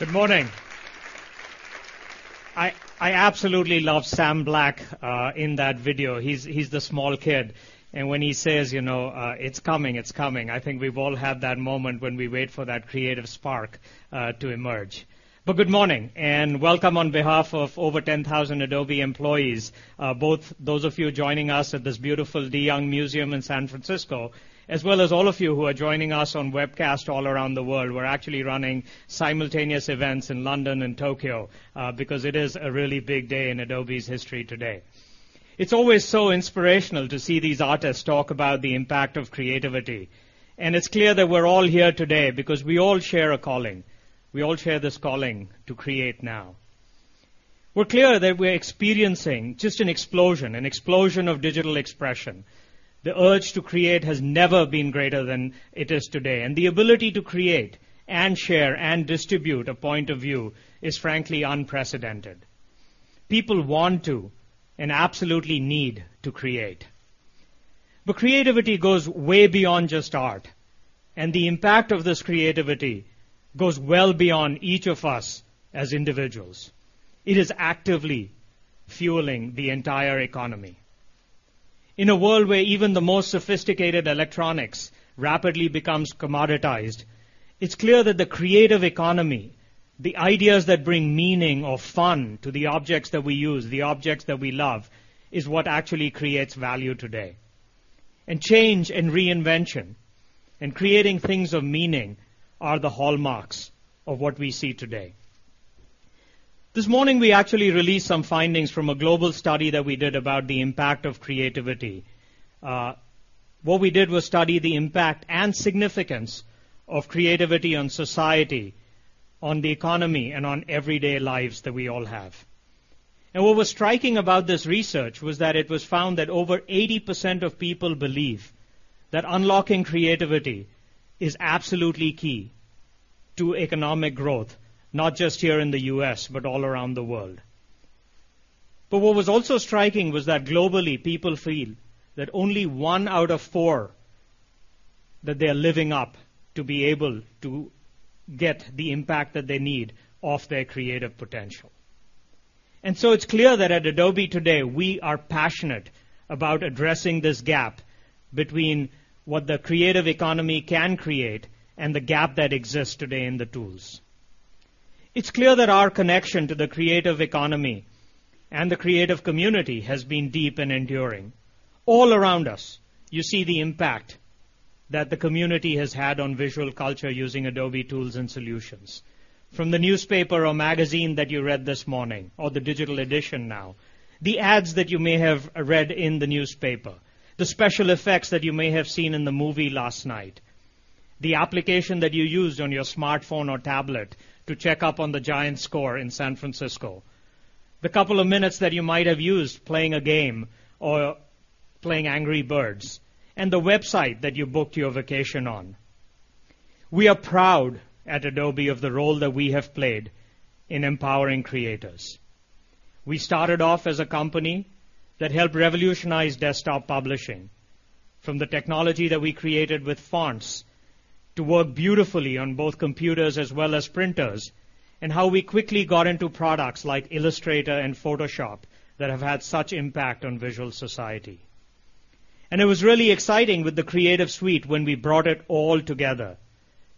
Good morning. I absolutely love Sam Black in that video. He's the small kid. When he says, you know, it's coming, it's coming, I think we've all had that moment when we wait for that creative spark to emerge. Good morning, and welcome on behalf of over 10,000 Adobe employees, both those of you joining us at this beautiful de Young Museum in San Francisco, as well as all of you who are joining us on webcast all around the world. We're actually running simultaneous events in London and Tokyo because it is a really big day in Adobe's history today. It's always so inspirational to see these artists talk about the impact of creativity. It's clear that we're all here today because we all share a calling. We all share this calling to create now. We're clear that we're experiencing just an explosion, an explosion of digital expression. The urge to create has never been greater than it is today. The ability to create and share and distribute a point of view is frankly unprecedented. People want to and absolutely need to create. Creativity goes way beyond just art. The impact of this creativity goes well beyond each of us as individuals. It is actively fueling the entire economy. In a world where even the most sophisticated electronics rapidly become commoditized, it's clear that the creative economy, the ideas that bring meaning or fun to the objects that we use, the objects that we love, is what actually creates value today. Change and reinvention and creating things of meaning are the hallmarks of what we see today. This morning, we actually released some findings from a global study that we did about the impact of creativity. What we did was study the impact and significance of creativity on society, on the economy, and on everyday lives that we all have. What was striking about this research was that it was found that over 80% of people believe that unlocking creativity is absolutely key to economic growth, not just here in the U.S., but all around the world. What was also striking was that globally, people feel that only one out of four, that they're living up to be able to get the impact that they need off their creative potential. It's clear that at Adobe today, we are passionate about addressing this gap between what the creative economy can create and the gap that exists today in the tools. It's clear that our connection to the creative economy and the creative community has been deep and enduring. All around us, you see the impact that the community has had on visual culture using Adobe tools and solutions. From the newspaper or magazine that you read this morning, or the digital edition now, the ads that you may have read in the newspaper, the special effects that you may have seen in the movie last night, the application that you used on your smartphone or tablet to check up on the Giants score in San Francisco, the couple of minutes that you might have used playing a game or playing Angry Birds, and the website that you booked your vacation on, we are proud at Adobe of the role that we have played in empowering creators. We started off as a company that helped revolutionize desktop publishing, from the technology that we created with fonts to work beautifully on both computers as well as printers, and how we quickly got into products like Illustrator and Photoshop that have had such impact on visual society. It was really exciting with the Creative Suite when we brought it all together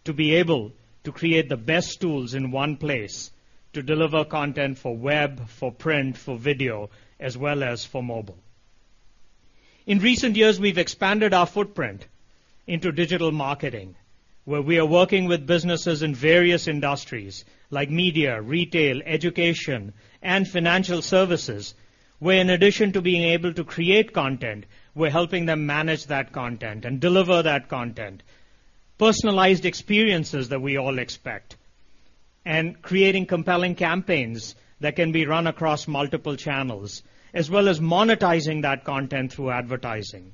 to be able to create the best tools in one place to deliver content for web, for print, for video, as well as for mobile. In recent years, we've expanded our footprint into digital marketing, where we are working with businesses in various industries, like media, retail, education, and financial services, where in addition to being able to create content, we're helping them manage that content and deliver that content, personalized experiences that we all expect, and creating compelling campaigns that can be run across multiple channels, as well as monetizing that content through advertising.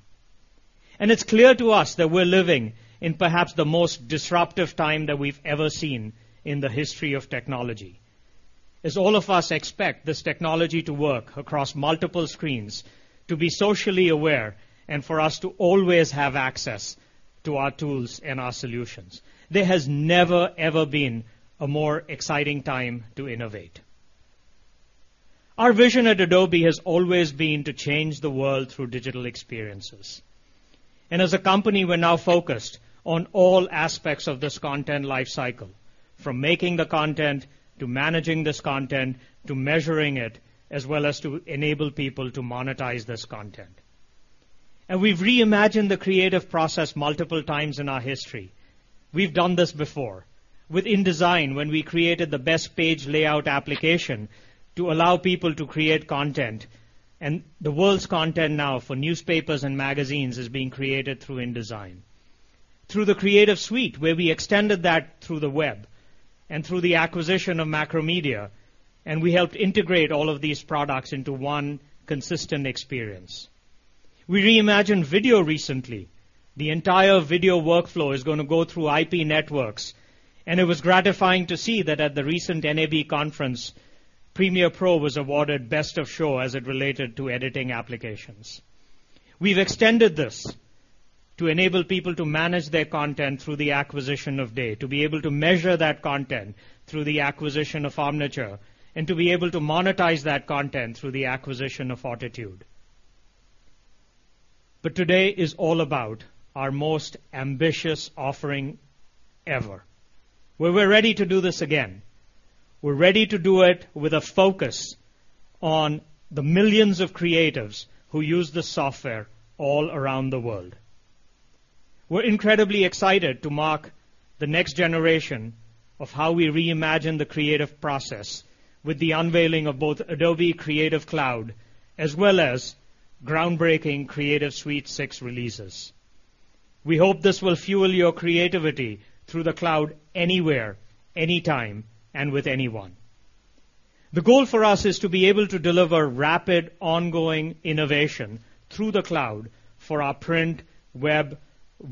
It is clear to us that we're living in perhaps the most disruptive time that we've ever seen in the history of technology. As all of us expect this technology to work across multiple screens, to be socially aware, and for us to always have access to our tools and our solutions, there has never, ever been a more exciting time to innovate. Our vision at Adobe has always been to change the world through digital experiences. As a company, we're now focused on all aspects of this content lifecycle, from making the content to managing this content to measuring it, as well as to enable people to monetize this content. We've reimagined the creative process multiple times in our history. We've done this before, with InDesign, when we created the best page layout application to allow people to create content. The world's content now for newspapers and magazines is being created through InDesign. Through the Creative Suite, we extended that through the web and through the acquisition of Macromedia, and we helped integrate all of these products into one consistent experience. We reimagined video recently. The entire video workflow is going to go through IP networks. It was gratifying to see that at the recent NAB conference, Premiere Pro was awarded Best of Show as it related to editing applications. We've extended this to enable people to manage their content through the acquisition of Day, to be able to measure that content through the acquisition of Furniture, and to be able to monetize that content through the acquisition of Fortitude. Today is all about our most ambitious offering ever, where we're ready to do this again. We're ready to do it with a focus on the millions of creatives who use the software all around the world. We're incredibly excited to mark the next generation of how we reimagine the creative process with the unveiling of both Adobe Creative Cloud, as well as groundbreaking Creative Suite 6 releases. We hope this will fuel your creativity through the cloud anywhere, anytime, and with anyone. The goal for us is to be able to deliver rapid, ongoing innovation through the cloud for our print, web,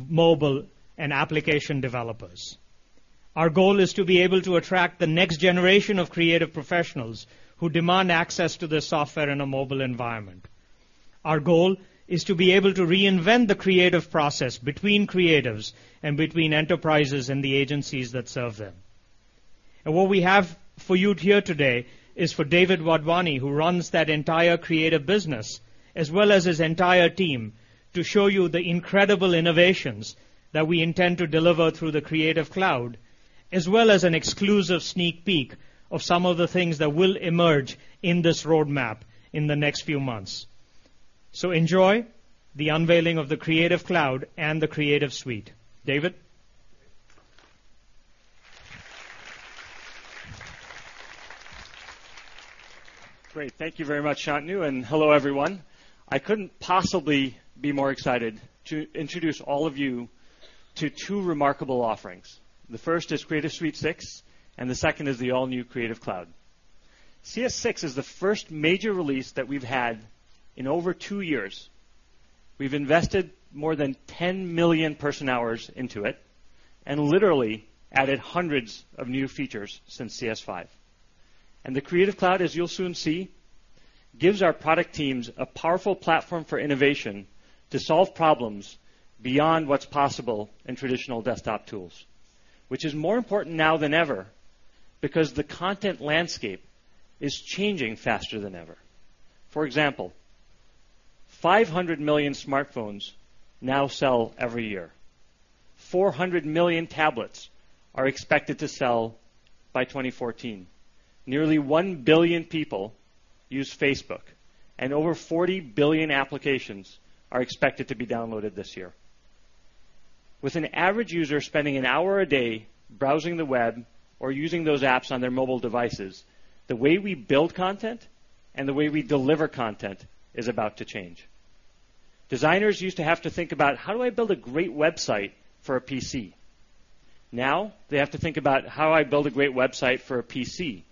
mobile, and application developers. Our goal is to be able to attract the next generation of creative professionals who demand access to the software in a mobile environment. Our goal is to be able to reinvent the creative process between creatives and between enterprises and the agencies that serve them. What we have for you here today is for David Wadhwani, who runs that entire creative business, as well as his entire team, to show you the incredible innovations that we intend to deliver through the Creative Cloud, as well as an exclusive sneak peek of some of the things that will emerge in this roadmap in the next few months. Enjoy the unveiling of the Creative Cloud and the Creative Suite. David? Great. Thank you very much, Shantanu. Hello, everyone. I couldn't possibly be more excited to introduce all of you to two remarkable offerings. The first is Creative Suite 6, and the second is the all-new Creative Cloud. CS6 is the first major release that we've had in over two years. We've invested more than 10 million person hours into it and literally added hundreds of new features since CS5. The Creative Cloud, as you'll soon see, gives our product teams a powerful platform for innovation to solve problems beyond what's possible in traditional desktop tools, which is more important now than ever because the content landscape is changing faster than ever. For example, 500 million smartphones now sell every year. 400 million tablets are expected to sell by 2014. Nearly 1 billion people use Facebook, and over 40 billion applications are expected to be downloaded this year. With an average user spending an hour a day browsing the web or using those apps on their mobile devices, the way we build content and the way we deliver content is about to change. Designers used to have to think about how do I build a great website for a PC? Now they have to think about how I build a great website for a PC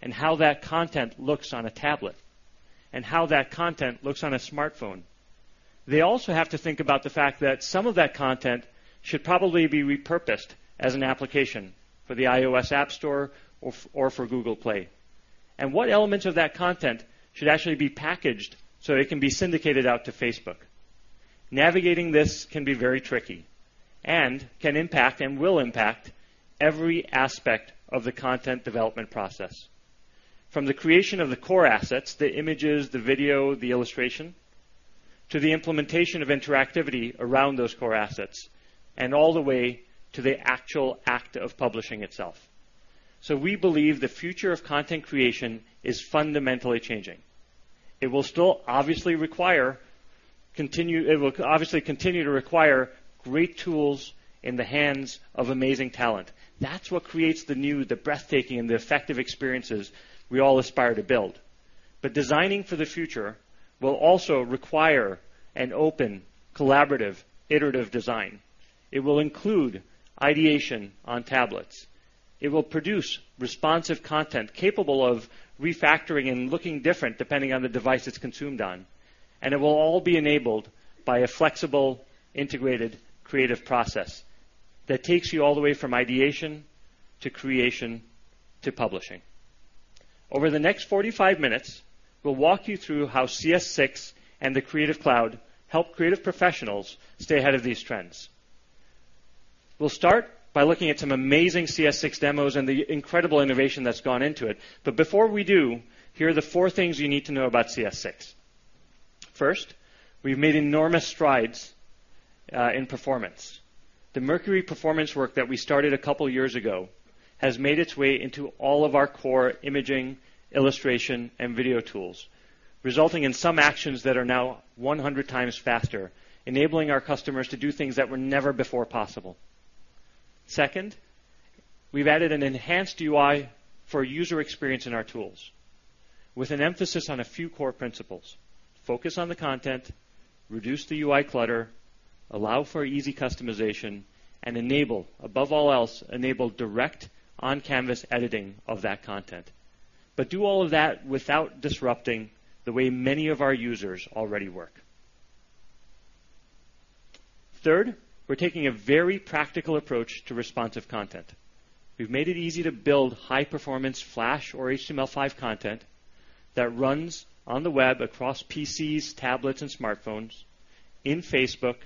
and how that content looks on a tablet and how that content looks on a smartphone. They also have to think about the fact that some of that content should probably be repurposed as an application for the iOS App Store or for Google Play. What elements of that content should actually be packaged so they can be syndicated out to Facebook? Navigating this can be very tricky and can impact and will impact every aspect of the content development process, from the creation of the core assets, the images, the video, the illustration, to the implementation of interactivity around those core assets, and all the way to the actual act of publishing itself. We believe the future of content creation is fundamentally changing. It will still obviously continue to require great tools in the hands of amazing talent. That's what creates the new, the breathtaking, and the effective experiences we all aspire to build. Designing for the future will also require an open, collaborative, iterative design. It will include ideation on tablets. It will produce responsive content capable of refactoring and looking different depending on the device it's consumed on. It will all be enabled by a flexible, integrated creative process that takes you all the way from ideation to creation to publishing. Over the next 45 minutes, we'll walk you through how CS6 and the Creative Cloud help creative professionals stay ahead of these trends. We'll start by looking at some amazing CS6 demos and the incredible innovation that's gone into it. Before we do, here are the four things you need to know about CS6. First, we've made enormous strides in performance. The Mercury Performance work that we started a couple of years ago has made its way into all of our core imaging, illustration, and video tools, resulting in some actions that are now 100 times faster, enabling our customers to do things that were never before possible. Second, we've added an enhanced UI for user experience in our tools, with an emphasis on a few core principles: focus on the content, reduce the UI clutter, allow for easy customization, and above all else, enable direct on-canvas editing of that content. Do all of that without disrupting the way many of our users already work. Third, we're taking a very practical approach to responsive content. We've made it easy to build high-performance Flash or HTML5 content that runs on the web across PCs, tablets, and smartphones, in Facebook,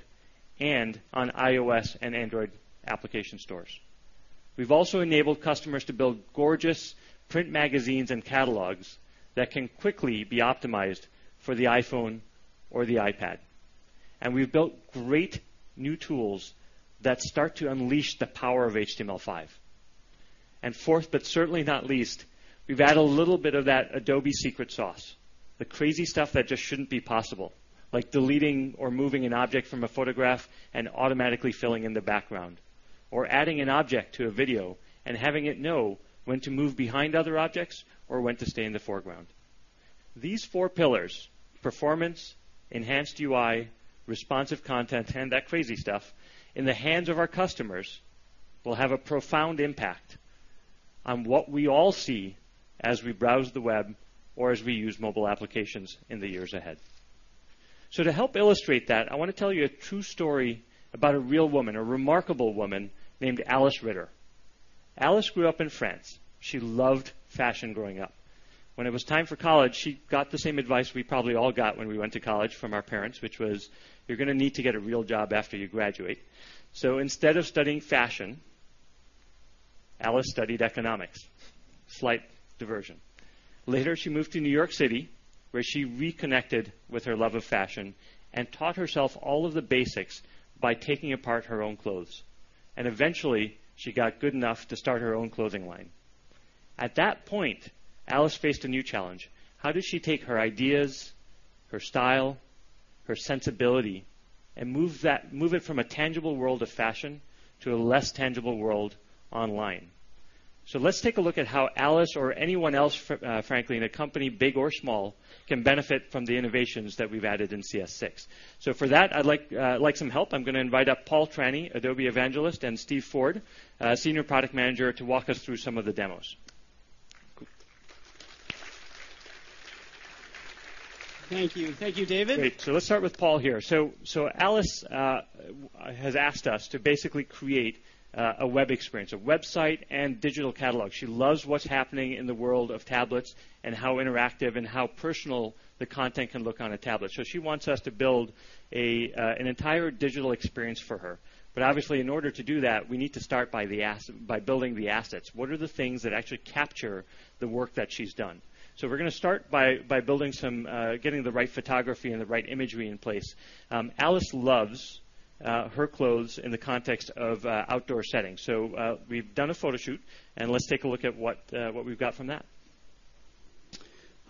and on iOS and Android application stores. We've also enabled customers to build gorgeous print magazines and catalogs that can quickly be optimized for the iPhone or the iPad. We've built great new tools that start to unleash the power of HTML5. Fourth, but certainly not least, we've added a little bit of that Adobe secret sauce, the crazy stuff that just shouldn't be possible, like deleting or moving an object from a photograph and automatically filling in the background, or adding an object to a video and having it know when to move behind other objects or when to stay in the foreground. These four pillars: performance, enhanced UI, responsive content, and that crazy stuff in the hands of our customers will have a profound impact on what we all see as we browse the web or as we use mobile applications in the years ahead. To help illustrate that, I want to tell you a true story about a real woman, a remarkable woman named Alice Ritter. Alice grew up in France. She loved fashion growing up. When it was time for college, she got the same advice we probably all got when we went to college from our parents, which was, you're going to need to get a real job after you graduate. Instead of studying fashion, Alice studied economics, slight diversion. Later, she moved to New York City, where she reconnected with her love of fashion and taught herself all of the basics by taking apart her own clothes. Eventually, she got good enough to start her own clothing line. At that point, Alice faced a new challenge. How does she take her ideas, her style, her sensibility, and move it from a tangible world of fashion to a less tangible world online? Let's take a look at how Alice or anyone else, frankly, in a company, big or small, can benefit from the innovations that we've added in CS6. For that, I'd like some help. I'm going to invite up Paul Trani, Adobe Evangelist, and Steve Ford, Senior Product Manager, to walk us through some of the demos. Thank you. Thank you, David. Let's start with Paul here. Alice has asked us to basically create a web experience, a website and digital catalog. She loves what's happening in the world of tablets and how interactive and how personal the content can look on a tablet. She wants us to build an entire digital experience for her. Obviously, in order to do that, we need to start by building the assets. What are the things that actually capture the work that she's done? We're going to start by getting the right photography and the right imagery in place. Alice loves her clothes in the context of outdoor settings. We've done a photo shoot. Let's take a look at what we've got from that.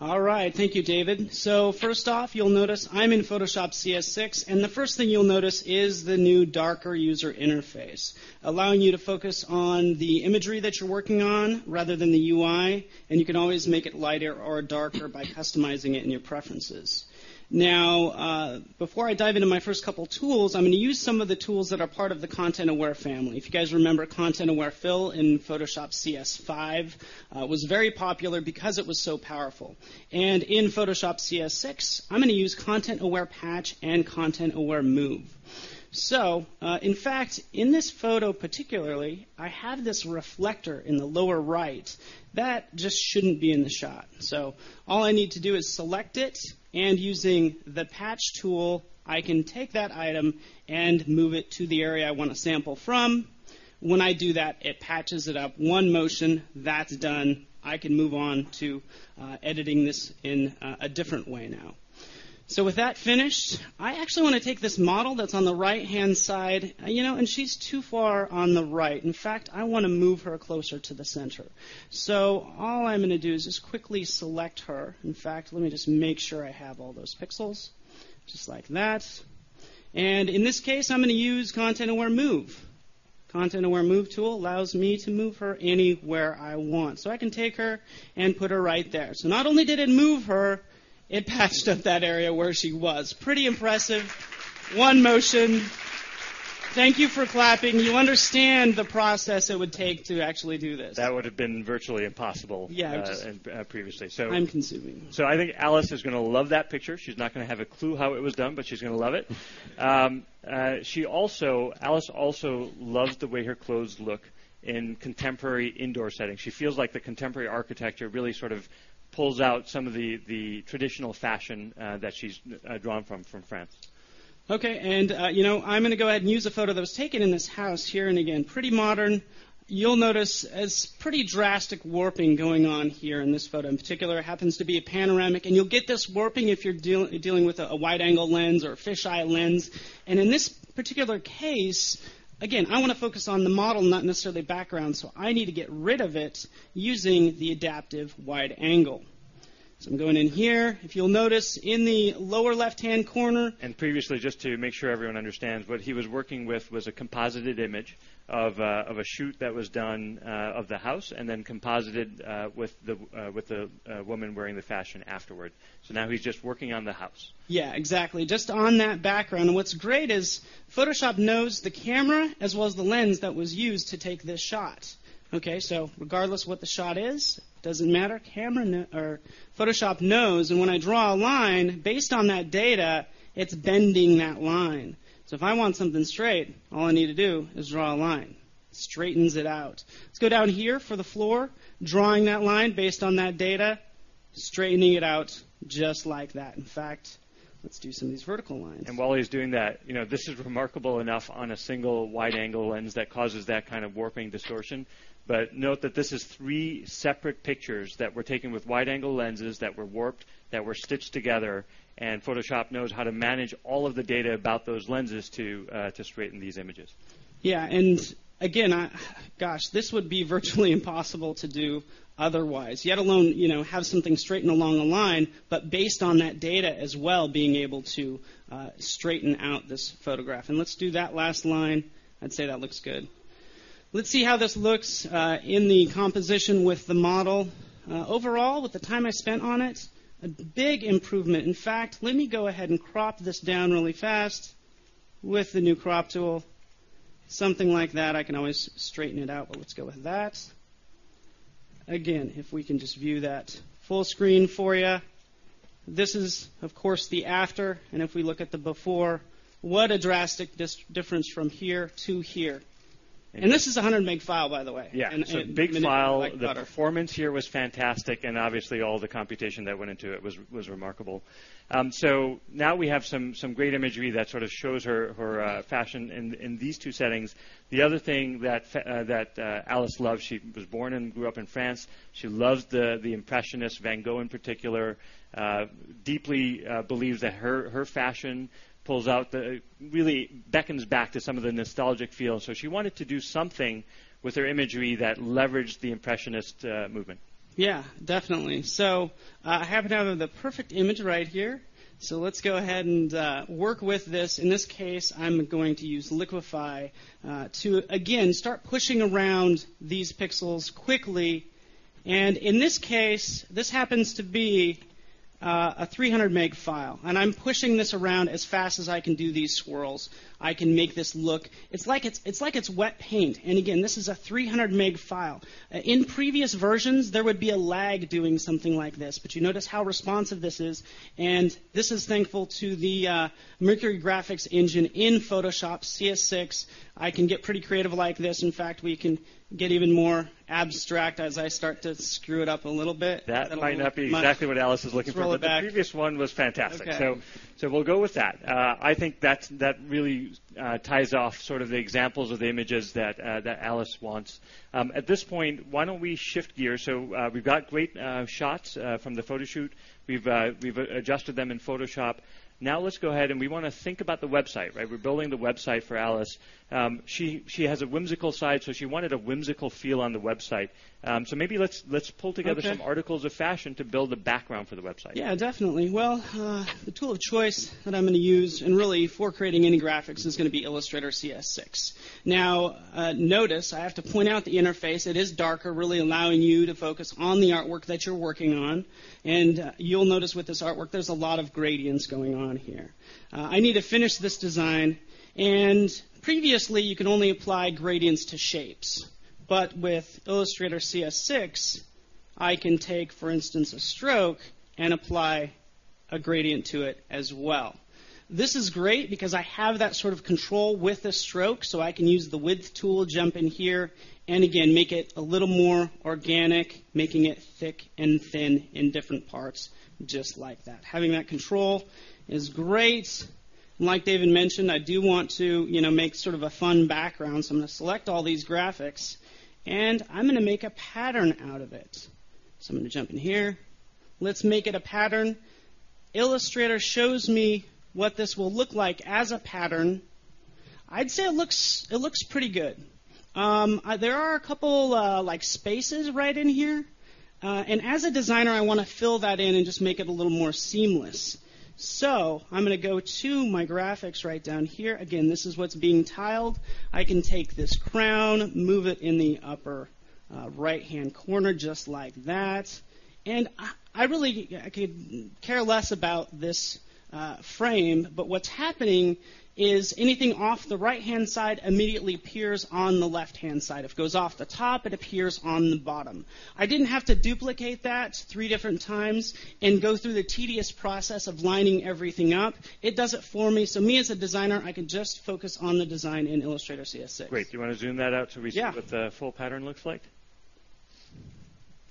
All right. Thank you, David. First off, you'll notice I'm in Photoshop CS6. The first thing you'll notice is the new darker user interface, allowing you to focus on the imagery that you're working on rather than the UI. You can always make it lighter or darker by customizing it in your preferences. Before I dive into my first couple of tools, I'm going to use some of the tools that are part of the Content-Aware family. If you guys remember, Content-Aware Fill in Photoshop CS5 was very popular because it was so powerful. In Photoshop CS6, I'm going to use Content-Aware Patch and Content-Aware Move. In this photo particularly, I have this reflector in the lower right. That just shouldn't be in the shot. All I need to do is select it. Using the Patch tool, I can take that item and move it to the area I want to sample from. When I do that, it patches it up in one motion. That's done. I can move on to editing this in a different way now. With that finished, I actually want to take this model that's on the right-hand side. She's too far on the right. I want to move her closer to the center. All I'm going to do is just quickly select her. Let me just make sure I have all those pixels, just like that. In this case, I'm going to use Content-Aware Move. Content-Aware Move tool allows me to move her anywhere I want. I can take her and put her right there. Not only did it move her, it patched up that area where she was. Pretty impressive. One motion. Thank you for clapping. You understand the process it would take to actually do this. That would have been virtually impossible previously. Time-consuming. I think Alice is going to love that picture. She's not going to have a clue how it was done, but she's going to love it. Alice also loves the way her clothes look in contemporary indoor settings. She feels like the contemporary architecture really sort of pulls out some of the traditional fashion that she's drawn from, from France. OK. I'm going to go ahead and use a photo that was taken in this house here, again, pretty modern. You'll notice there's pretty drastic warping going on here in this photo. In particular, it happens to be a panoramic. You'll get this warping if you're dealing with a wide-angle lens or a fisheye lens. In this particular case, I want to focus on the model, not necessarily the background. I need to get rid of it using the adaptive wide angle. I'm going in here. If you'll notice, in the lower left-hand corner. Previously, just to make sure everyone understands, what he was working with was a composited image of a shoot that was done of the house and then composited with the woman wearing the fashion afterward. Now he's just working on the house. Yeah, exactly, just on that background. What's great is Photoshop knows the camera as well as the lens that was used to take this shot. OK. Regardless of what the shot is, it doesn't matter. Photoshop knows. When I draw a line, based on that data, it's bending that line. If I want something straight, all I need to do is draw a line. Straightens it out. Let's go down here for the floor, drawing that line based on that data, straightening it out just like that. In fact, let's do some of these vertical lines. While he's doing that, this is remarkable enough on a single wide-angle lens that causes that kind of warping distortion. Note that this is three separate pictures that were taken with wide-angle lenses that were warped, that were stitched together. Photoshop knows how to manage all of the data about those lenses to straighten these images. Yeah. This would be virtually impossible to do otherwise, let alone have something straightened along a line, but based on that data as well, being able to straighten out this photograph. Let's do that last line. I'd say that looks good. Let's see how this looks in the composition with the model. Overall, with the time I spent on it, a big improvement. In fact, let me go ahead and crop this down really fast with the new crop tool. Something like that. I can always straighten it out. Let's go with that. If we can just view that full screen for you. This is, of course, the after. If we look at the before, what a drastic difference from here to here. This is a 100 MB file, by the way. Yeah, the performance here was fantastic. Obviously, all the computation that went into it was remarkable. Now we have some great imagery that sort of shows her fashion in these two settings. The other thing that Alice loves, she was born and grew up in France. She loves the impressionists, van Gogh in particular, and deeply believes that her fashion pulls out, really beckons back to some of the nostalgic feel. She wanted to do something with her imagery that leveraged the impressionist movement. Yeah, definitely. I happen to have the perfect image right here. Let's go ahead and work with this. In this case, I'm going to use Liquify to, again, start pushing around these pixels quickly. In this case, this happens to be a 300 MB file, and I'm pushing this around as fast as I can do these swirls. I can make this look like it's wet paint. Again, this is a 300 MB file. In previous versions, there would be a lag doing something like this. You notice how responsive this is, and this is thanks to the Mercury Graphics Engine in Photoshop CS6. I can get pretty creative like this. In fact, we can get even more abstract as I start to screw it up a little bit. That might not be exactly what Alice is looking for. The previous one was fantastic. We'll go with that. I think that really ties off the examples of the images that Alice wants. At this point, why don't we shift gears? We've got great shots from the photo shoot. We've adjusted them in Photoshop. Now let's go ahead and think about the website. We're building the website for Alice. She has a whimsical side, so she wanted a whimsical feel on the website. Maybe let's pull together some articles of fashion to build the background for the website. Yeah, definitely. The tool of choice that I'm going to use, and really for creating any graphics, is going to be Illustrator CS6. Now, notice I have to point out the interface. It is darker, really allowing you to focus on the artwork that you're working on. You'll notice with this artwork, there's a lot of gradients going on here. I need to finish this design. Previously, you could only apply gradients to shapes. With Illustrator CS6, I can take, for instance, a stroke and apply a gradient to it as well. This is great because I have that sort of control with the stroke. I can use the width tool, jump in here, and again, make it a little more organic, making it thick and thin in different parts, just like that. Having that control is great. Like David mentioned, I do want to make sort of a fun background. I'm going to select all these graphics, and I'm going to make a pattern out of it. I'm going to jump in here. Let's make it a pattern. Illustrator shows me what this will look like as a pattern. I'd say it looks pretty good. There are a couple of spaces right in here. As a designer, I want to fill that in and just make it a little more seamless. I'm going to go to my graphics right down here. This is what's being tiled. I can take this crown, move it in the upper right-hand corner, just like that. I really could care less about this frame. What's happening is anything off the right-hand side immediately appears on the left-hand side. If it goes off the top, it appears on the bottom. I didn't have to duplicate that three different times and go through the tedious process of lining everything up. It does it for me. Me as a designer, I can just focus on the design in Illustrator CS6. Great. Do you want to zoom that out so we see what the full pattern looks like?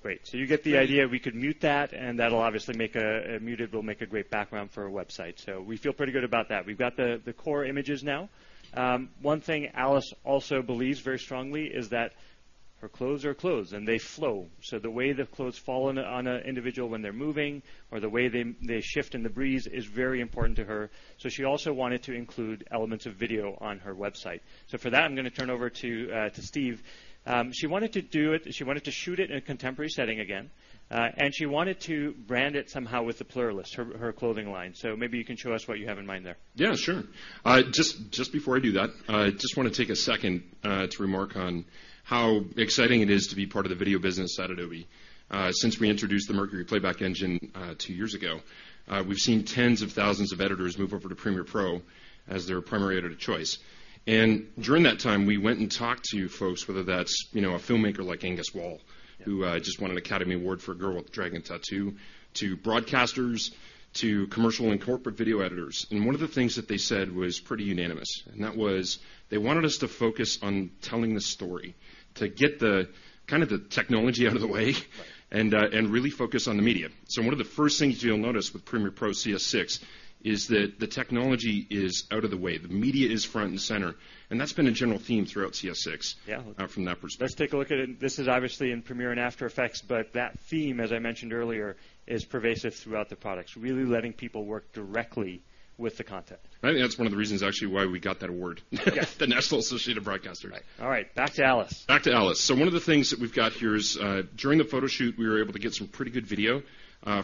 Great. You get the idea. We could mute that. That obviously will make a great background for a website. We feel pretty good about that. We've got the core images now. One thing Alice also believes very strongly is that her clothes are clothes, and they flow. The way the clothes fall on an individual when they're moving or the way they shift in the breeze is very important to her. She also wanted to include elements of video on her website. For that, I'm going to turn over to Steve. She wanted to do it. She wanted to shoot it in a contemporary setting again, and she wanted to brand it somehow with the Pluralist, her clothing line. Maybe you can show us what you have in mind there. Yeah, sure. Just before I do that, I just want to take a second to remark on how exciting it is to be part of the video business at Adobe. Since we introduced the Mercury Playback Engine two years ago, we've seen tens of thousands of editors move over to Premiere Pro as their primary edit of choice. During that time, we went and talked to folks, whether that's a filmmaker like Angus Wall, who just won an Academy Award for The Girl with the Dragon Tattoo, to broadcasters, to commercial and corporate video editors. One of the things that they said was pretty unanimous. They wanted us to focus on telling the story, to get kind of the technology out of the way, and really focus on the media. One of the first things you'll notice with Premiere Pro CS6 is that the technology is out of the way. The media is front and center. That's been a general theme throughout CS6 from that perspective. Let's take a look at it. This is obviously in Premiere Pro and After Effects. That theme, as I mentioned earlier, is pervasive throughout the products, really letting people work directly with the content. I think that's one of the reasons actually why we got that award, the National Association of Broadcasters. All right. Back to Alice. Back to Alice. One of the things that we've got here is during the photo shoot, we were able to get some pretty good video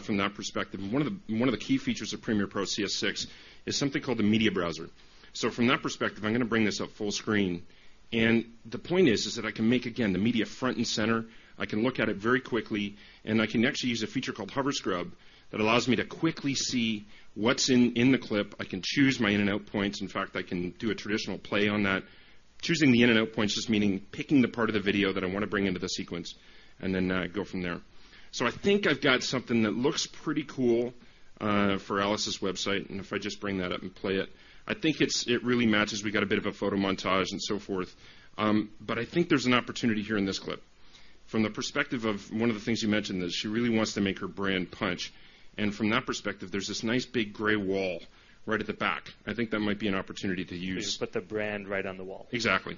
from that perspective. One of the key features of Premiere Pro CS6 is something called the Media Browser. From that perspective, I'm going to bring this up full screen. The point is that I can make, again, the media front and center. I can look at it very quickly. I can actually use a feature called Hover Scrub that allows me to quickly see what's in the clip. I can choose my in and out points. In fact, I can do a traditional play on that, choosing the in and out points, just meaning picking the part of the video that I want to bring into the sequence and then go from there. I think I've got something that looks pretty cool for Alice's website. If I just bring that up and play it, I think it really matches. We've got a bit of a photo montage and so forth. I think there's an opportunity here in this clip from the perspective of one of the things you mentioned, that she really wants to make her brand punch. From that perspective, there's this nice big gray wall right at the back. I think that might be an opportunity to use. Just put the brand right on the wall. Exactly.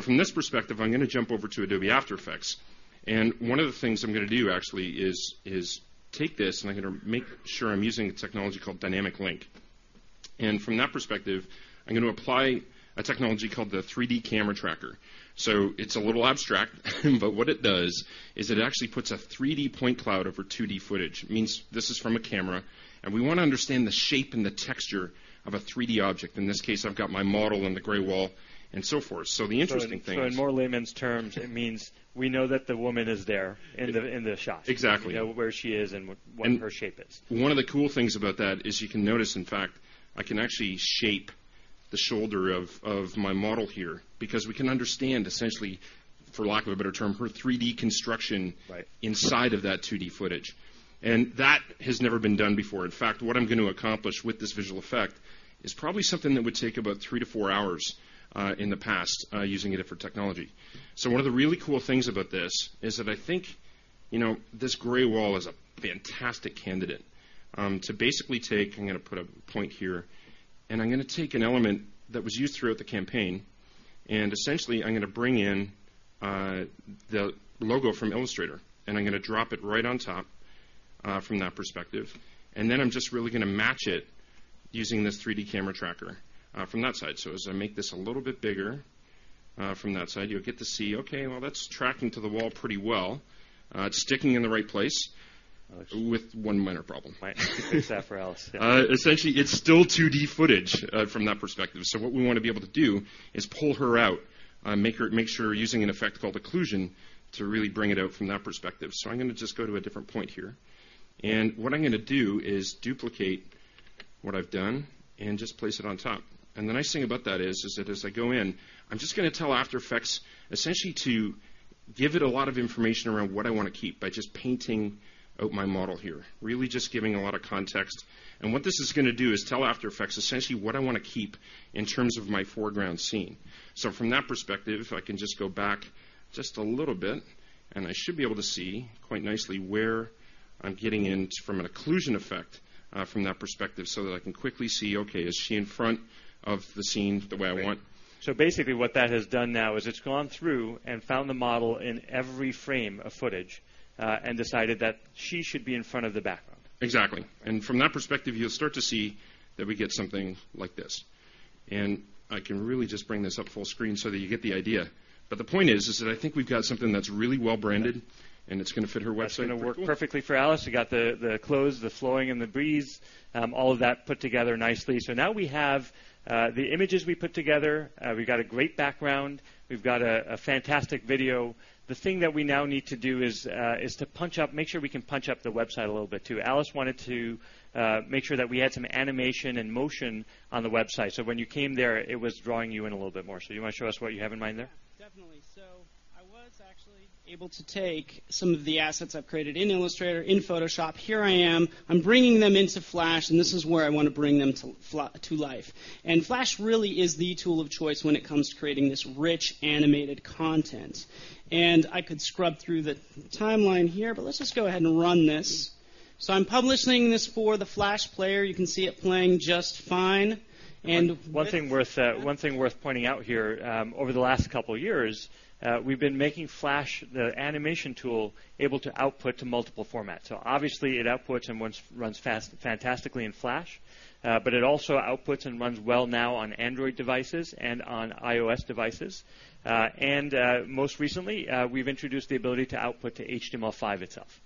From this perspective, I'm going to jump over to Adobe After Effects. One of the things I'm going to do is take this and make sure I'm using a technology called Dynamic Link. From that perspective, I'm going to apply a technology called the 3D Camera Tracker. It's a little abstract, but what it does is it actually puts a 3D point cloud over 2D footage. It means this is from a camera, and we want to understand the shape and the texture of a 3D object. In this case, I've got my model and the gray wall and so forth. The interesting thing. In more layman's terms, it means we know that the woman is there in the shot. Exactly. We know where she is and what her shape is. One of the cool things about that is you can notice, in fact, I can actually shape the shoulder of my model here because we can understand, essentially, for lack of a better term, her 3D construction inside of that 2D footage. That has never been done before. In fact, what I'm going to accomplish with this visual effect is probably something that would take about three to four hours in the past using a different technology. One of the really cool things about this is that I think this gray wall is a fantastic candidate to basically take, I'm going to put a point here. I'm going to take an element that was used throughout the campaign. Essentially, I'm going to bring in the logo from Illustrator. I'm going to drop it right on top from that perspective. I'm just really going to match it using this 3D Camera Tracker from that side. As I make this a little bit bigger from that side, you'll get to see, OK, that's tracking to the wall pretty well. It's sticking in the right place with one minor problem. Right. Too sad for Alice. Essentially, it's still 2D footage from that perspective. What we want to be able to do is pull her out, make sure using an effect called Occlusion to really bring it out from that perspective. I'm going to just go to a different point here. What I'm going to do is duplicate what I've done and just place it on top. The nice thing about that is that as I go in, I'm just going to tell After Effects, essentially, to give it a lot of information around what I want to keep by just painting out my model here, really just giving a lot of context. What this is going to do is tell After Effects, essentially, what I want to keep in terms of my foreground scene. From that perspective, I can just go back just a little bit. I should be able to see quite nicely where I'm getting in from an Occlusion effect from that perspective so that I can quickly see, OK, is she in front of the scene the way I want? What that has done now is it's gone through and found the model in every frame of footage and decided that she should be in front of the background. Exactly. From that perspective, you'll start to see that we get something like this. I can really just bring this up full screen so that you get the idea. The point is that I think we've got something that's really well branded, and it's going to fit her website. It's going to work perfectly for Alice. We got the clothes, the flowing, and the breeze, all of that put together nicely. Now we have the images we put together. We've got a great background. We've got a fantastic video. The thing that we now need to do is to punch up, make sure we can punch up the website a little bit too. Alice wanted to make sure that we had some animation and motion on the website. When you came there, it was drawing you in a little bit more. You want to show us what you have in mind there? Definitely. I was actually able to take some of the assets I've created in Illustrator, in Photoshop. Here I am, bringing them into Flash. This is where I want to bring them to life. Flash really is the tool of choice when it comes to creating this rich, animated content. I could scrub through the timeline here. Let's just go ahead and run this. I'm publishing this for the Flash Player. You can see it playing just fine. One thing worth pointing out here, over the last couple of years, we've been making Flash, the animation tool, able to output to multiple formats. It obviously outputs and runs fantastically in Flash. It also outputs and runs well now on Android devices and on iOS devices. Most recently, we've introduced the ability to output to HTML5 itself.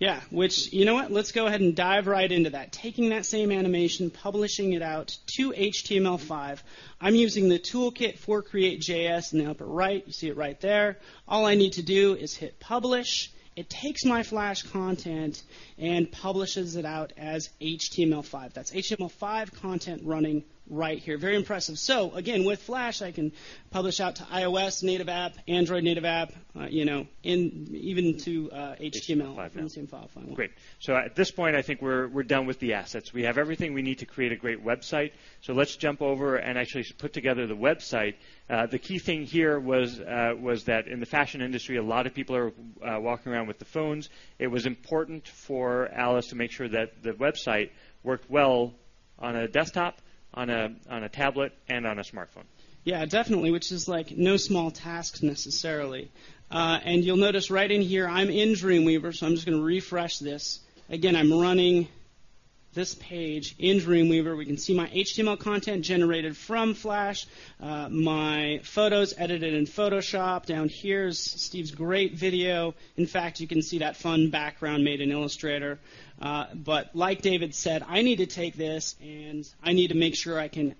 Yeah, you know what? Let's go ahead and dive right into that, taking that same animation, publishing it out to HTML5. I'm using the toolkit for Create.js, and up at right, you see it right there. All I need to do is hit Publish. It takes my Flash content and publishes it out as HTML5. That's HTML5 content running right here, very impressive. With Flash, I can publish out to iOS native app, Android native app, and even to HTML5. HTML5 file. Great. At this point, I think we're done with the assets. We have everything we need to create a great website. Let's jump over and actually put together the website. The key thing here was that in the fashion industry, a lot of people are walking around with the phones. It was important for Alice to make sure that the website worked well on a desktop, on a tablet, and on a smartphone. Yeah, definitely, which is no small task necessarily. You'll notice right in here, I'm in Dreamweaver. I'm just going to refresh this. Again, I'm running this page in Dreamweaver. We can see my HTML content generated from Flash, my photos edited in Photoshop. Down here is Steve's great video. In fact, you can see that fun background made in Illustrator. Like David said, I need to take this. I need to make sure I can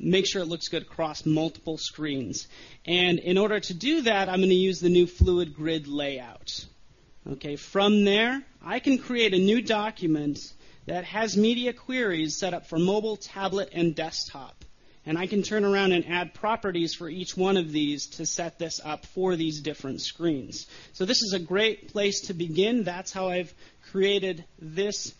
make sure it looks good across multiple screens. In order to do that, I'm going to use the new Fluid Grid Layout. From there, I can create a new document that has media queries set up for mobile, tablet, and desktop. I can turn around and add properties for each one of these to set this up for these different screens. This is a great place to begin. That's how I've created this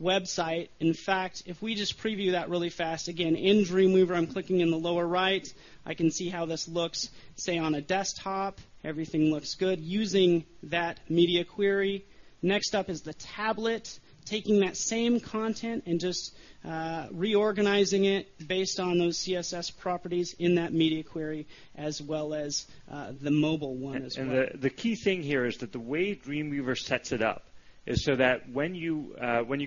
website. In fact, if we just preview that really fast, again, in Dreamweaver, I'm clicking in the lower right. I can see how this looks, say, on a desktop. Everything looks good using that media query. Next up is the tablet, taking that same content and just reorganizing it based on those CSS properties in that media query, as well as the mobile one as well. The key thing here is that the way Dreamweaver sets it up is so that when you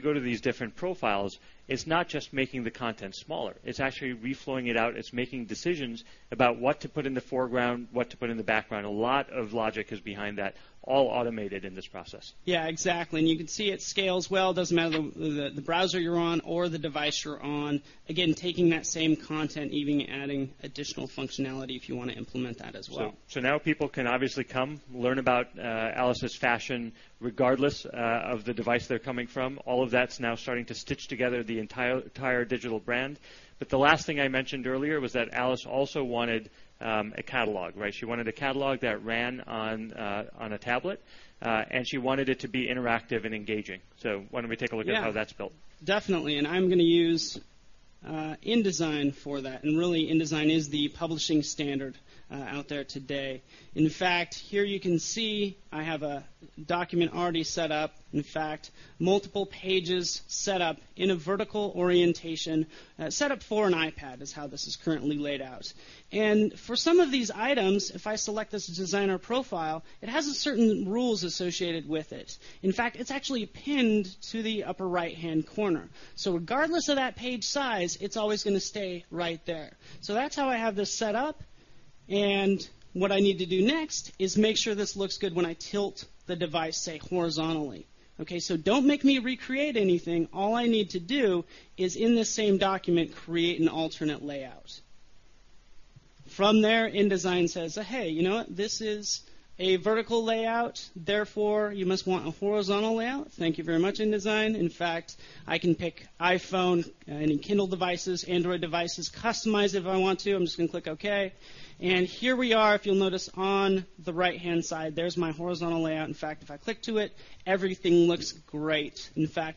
go to these different profiles, it's not just making the content smaller. It's actually reflowing it out. It's making decisions about what to put in the foreground, what to put in the background. A lot of logic is behind that, all automated in this process. Exactly. You can see it scales well. It doesn't matter the browser you're on or the device you're on. Again, taking that same content, even adding additional functionality if you want to implement that as well. Now people can obviously come learn about Alice's fashion regardless of the device they're coming from. All of that's now starting to stitch together the entire digital brand. The last thing I mentioned earlier was that Alice also wanted a catalog. She wanted a catalog that ran on a tablet, and she wanted it to be interactive and engaging. Why don't we take a look at how that's built? Definitely. I'm going to use InDesign for that. InDesign is the publishing standard out there today. Here you can see I have a document already set up, multiple pages set up in a vertical orientation, set up for an iPad is how this is currently laid out. For some of these items, if I select this designer profile, it has certain rules associated with it. It's actually pinned to the upper right-hand corner. Regardless of that page size, it's always going to stay right there. That's how I have this set up. What I need to do next is make sure this looks good when I tilt the device, say, horizontally. Don't make me recreate anything. All I need to do is in this same document, create an alternate layout. From there, InDesign says, hey, you know what? This is a vertical layout. Therefore, you must want a horizontal layout. Thank you very much, InDesign. I can pick iPhone, any Kindle devices, Android devices, customize it if I want to. I'm just going to click OK. Here we are. If you'll notice on the right-hand side, there's my horizontal layout. If I click to it, everything looks great.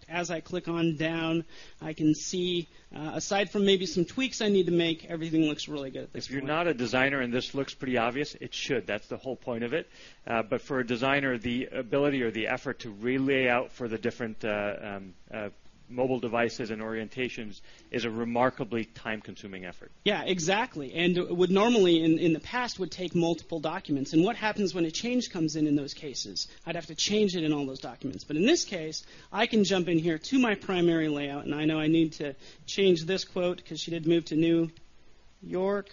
As I click on down, I can see, aside from maybe some tweaks I need to make, everything looks really good. If you're not a designer and this looks pretty obvious, it should. That's the whole point of it. For a designer, the ability or the effort to re-lay out for the different mobile devices and orientations is a remarkably time-consuming effort. Exactly. It would normally, in the past, take multiple documents. What happens when a change comes in in those cases? I'd have to change it in all those documents. In this case, I can jump in here to my primary layout. I know I need to change this quote because she did move to New York.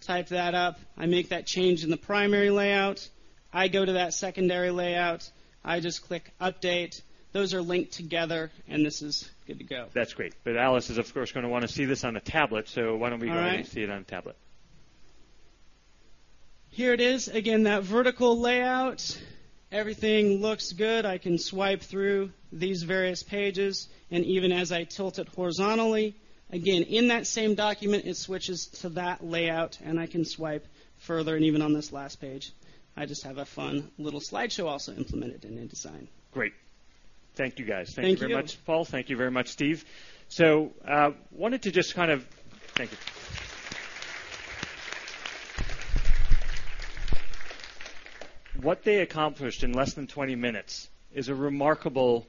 Type that up. I make that change in the primary layout. I go to that secondary layout. I just click Update. Those are linked together. This is good to go. That's great. Alice is, of course, going to want to see this on the tablet. Why don't we go ahead and see it on the tablet? Here it is. Again, that vertical layout. Everything looks good. I can swipe through these various pages. Even as I tilt it horizontally, in that same document, it switches to that layout. I can swipe further. Even on this last page, I just have a fun little slideshow also implemented in InDesign. Great. Thank you, guys. Thank you very much, Paul. Thank you very much, Steve. I wanted to just kind of thank you. What they accomplished in less than 20 minutes is a remarkable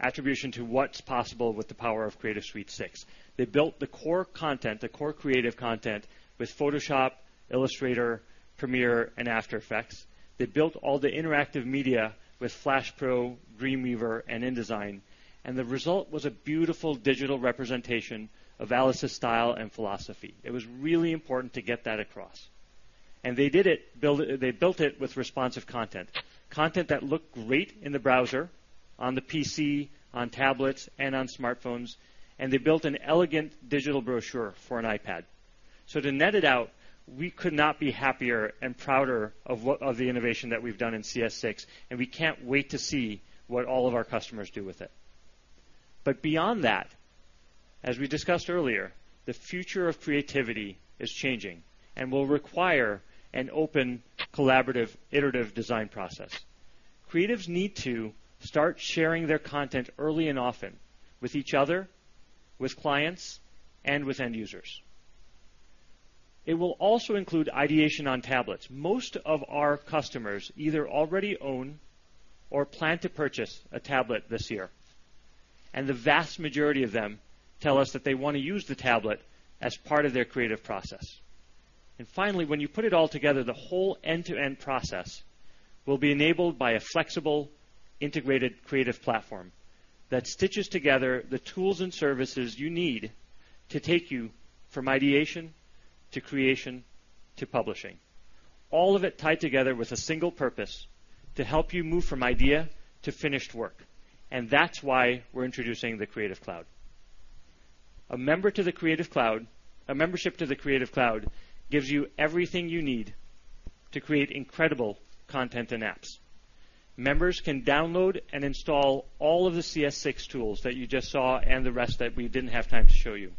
attribution to what's possible with the power of Adobe Creative Suite 6. They built the core content, the core creative content with Photoshop, Illustrator, Premiere, and After Effects. They built all the interactive media with Flash Pro, Dreamweaver, and InDesign. The result was a beautiful digital representation of Alice's style and philosophy. It was really important to get that across. They did it. They built it with responsive content, content that looked great in the browser, on the PC, on tablets, and on smartphones. They built an elegant digital brochure for an iPad. To net it out, we could not be happier and prouder of the innovation that we've done in CS6. We can't wait to see what all of our customers do with it. Beyond that, as we discussed earlier, the future of creativity is changing and will require an open, collaborative, iterative design process. Creatives need to start sharing their content early and often with each other, with clients, and with end users. It will also include ideation on tablets. Most of our customers either already own or plan to purchase a tablet this year. The vast majority of them tell us that they want to use the tablet as part of their creative process. Finally, when you put it all together, the whole end-to-end process will be enabled by a flexible, integrated creative platform that stitches together the tools and services you need to take you from ideation to creation to publishing, all of it tied together with a single purpose to help you move from idea to finished work. That's why we're introducing the Adobe Creative Cloud. A membership to the Creative Cloud gives you everything you need to create incredible content and apps. Members can download and install all of the CS6 tools that you just saw and the rest that we didn't have time to show you.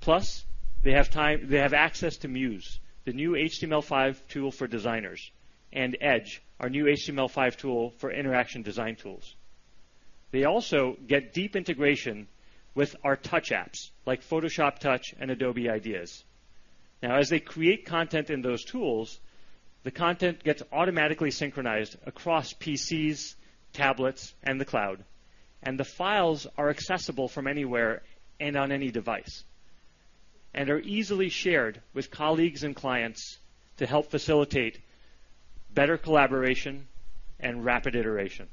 Plus, they have access to Muse, the new HTML5 tool for designers, and Edge, our new HTML5 tool for interaction design tools. They also get deep integration with our touch apps, like Photoshop Touch and Adobe Ideas. As they create content in those tools, the content gets automatically synchronized across PCs, tablets, and the cloud. The files are accessible from anywhere and on any device and are easily shared with colleagues and clients to help facilitate better collaboration and rapid iteration.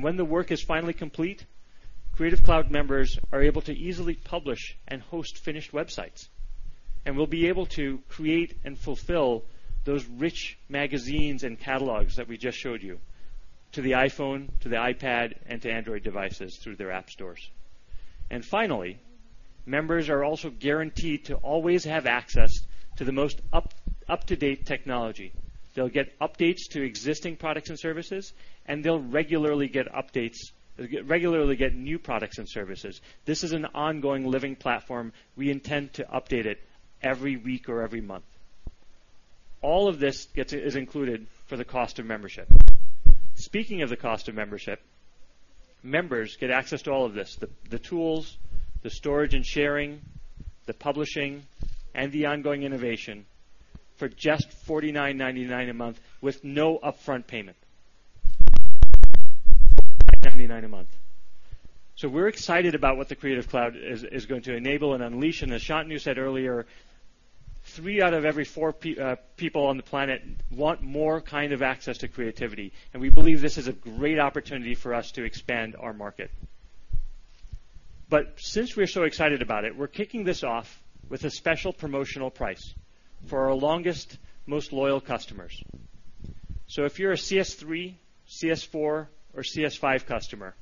When the work is finally complete, Creative Cloud members are able to easily publish and host finished websites and will be able to create and fulfill those rich magazines and catalogs that we just showed you to the iPhone, to the iPad, and to Android devices through their app stores. Members are also guaranteed to always have access to the most up-to-date technology. They'll get updates to existing products and services. They'll regularly get updates, regularly get new products and services. This is an ongoing living platform. We intend to update it every week or every month. All of this is included for the cost of membership. Speaking of the cost of membership, members get access to all of this, the tools, the storage and sharing, the publishing, and the ongoing innovation for just $49.99 a month with no upfront payment, $9.99 a month. We're excited about what the Creative Cloud is going to enable and unleash. As Shantanu said earlier, three out of every four people on the planet want more kind of access to creativity. We believe this is a great opportunity for us to expand our market. Since we're so excited about it, we're kicking this off with a special promotional price for our longest, most loyal customers. If you're a CS3, CS4, or CS5 customer,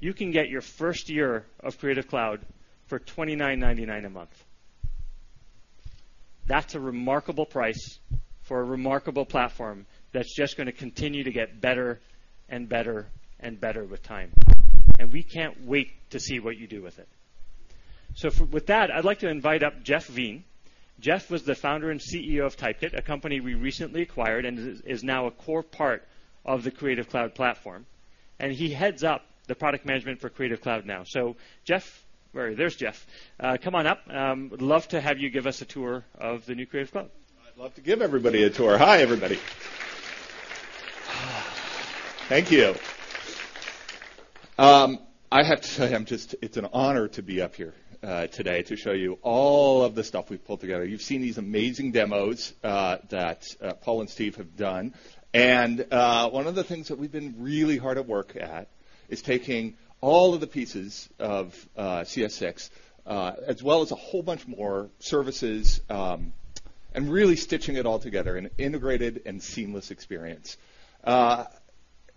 you can get your first year of Creative Cloud for $29.99 a month. That's a remarkable price for a remarkable platform that's just going to continue to get better and better and better with time. We can't wait to see what you do with it. With that, I'd like to invite up Jeff Veen. Jeff was the founder and CEO of Typekit, a company we recently acquired and is now a core part of the Creative Cloud platform. He heads up the product management for Creative Cloud now. Jeff, there's Jeff. Come on up. We'd love to have you give us a tour of the new Creative Cloud. I'd love to give everybody a tour. Hi, everybody. Thank you. I have to tell you, it's an honor to be up here today to show you all of the stuff we've pulled together. You've seen these amazing demos that Paul and Steve have done. One of the things that we've been really hard at work at is taking all of the pieces of CS6, as well as a whole bunch more services, and really stitching it all together in an integrated and seamless experience.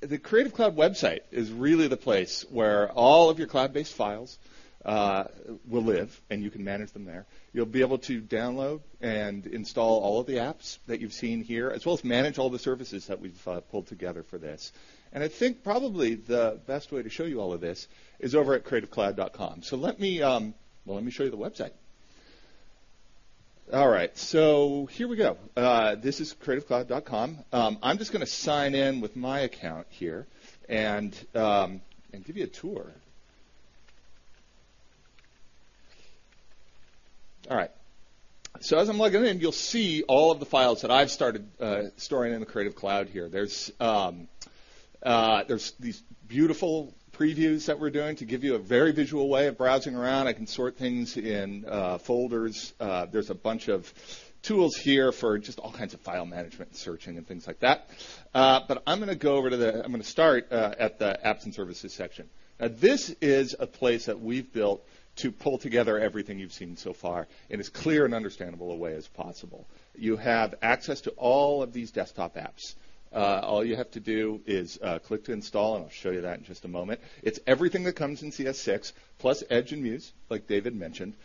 The Creative Cloud website is really the place where all of your cloud-based files will live, and you can manage them there. You'll be able to download and install all of the apps that you've seen here, as well as manage all the services that we've pulled together for this. I think probably the best way to show you all of this is over at creativecloud.com. Let me show you the website. All right. Here we go. This is creativecloud.com. I'm just going to sign in with my account here and give you a tour. As I'm logging in, you'll see all of the files that I've started storing in the Creative Cloud here. There are these beautiful previews that we're doing to give you a very visual way of browsing around. I can sort things in folders. There are a bunch of tools here for just all kinds of file management, searching, and things like that. I'm going to go over to the apps and services section. This is a place that we've built to pull together everything you've seen so far in as clear and understandable a way as possible. You have access to all of these desktop apps. All you have to do is click to install, and I'll show you that in just a moment. It's everything that comes in CS6, plus Edge and Muse, like David mentioned,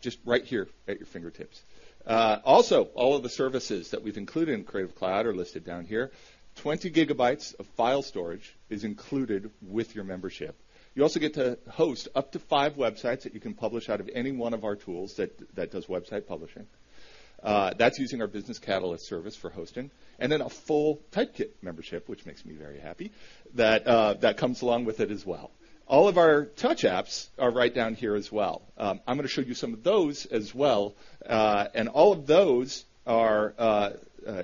just right here at your fingertips. Also, all of the services that we've included in Creative Cloud are listed down here. 20 GB of file storage is included with your membership. You also get to host up to five websites that you can publish out of any one of our tools that does website publishing. That's using our Business Catalyst service for hosting and then a full Typekit membership, which makes me very happy, that comes along with it as well. All of our touch apps are right down here as well. I'm going to show you some of those as well, and all of those are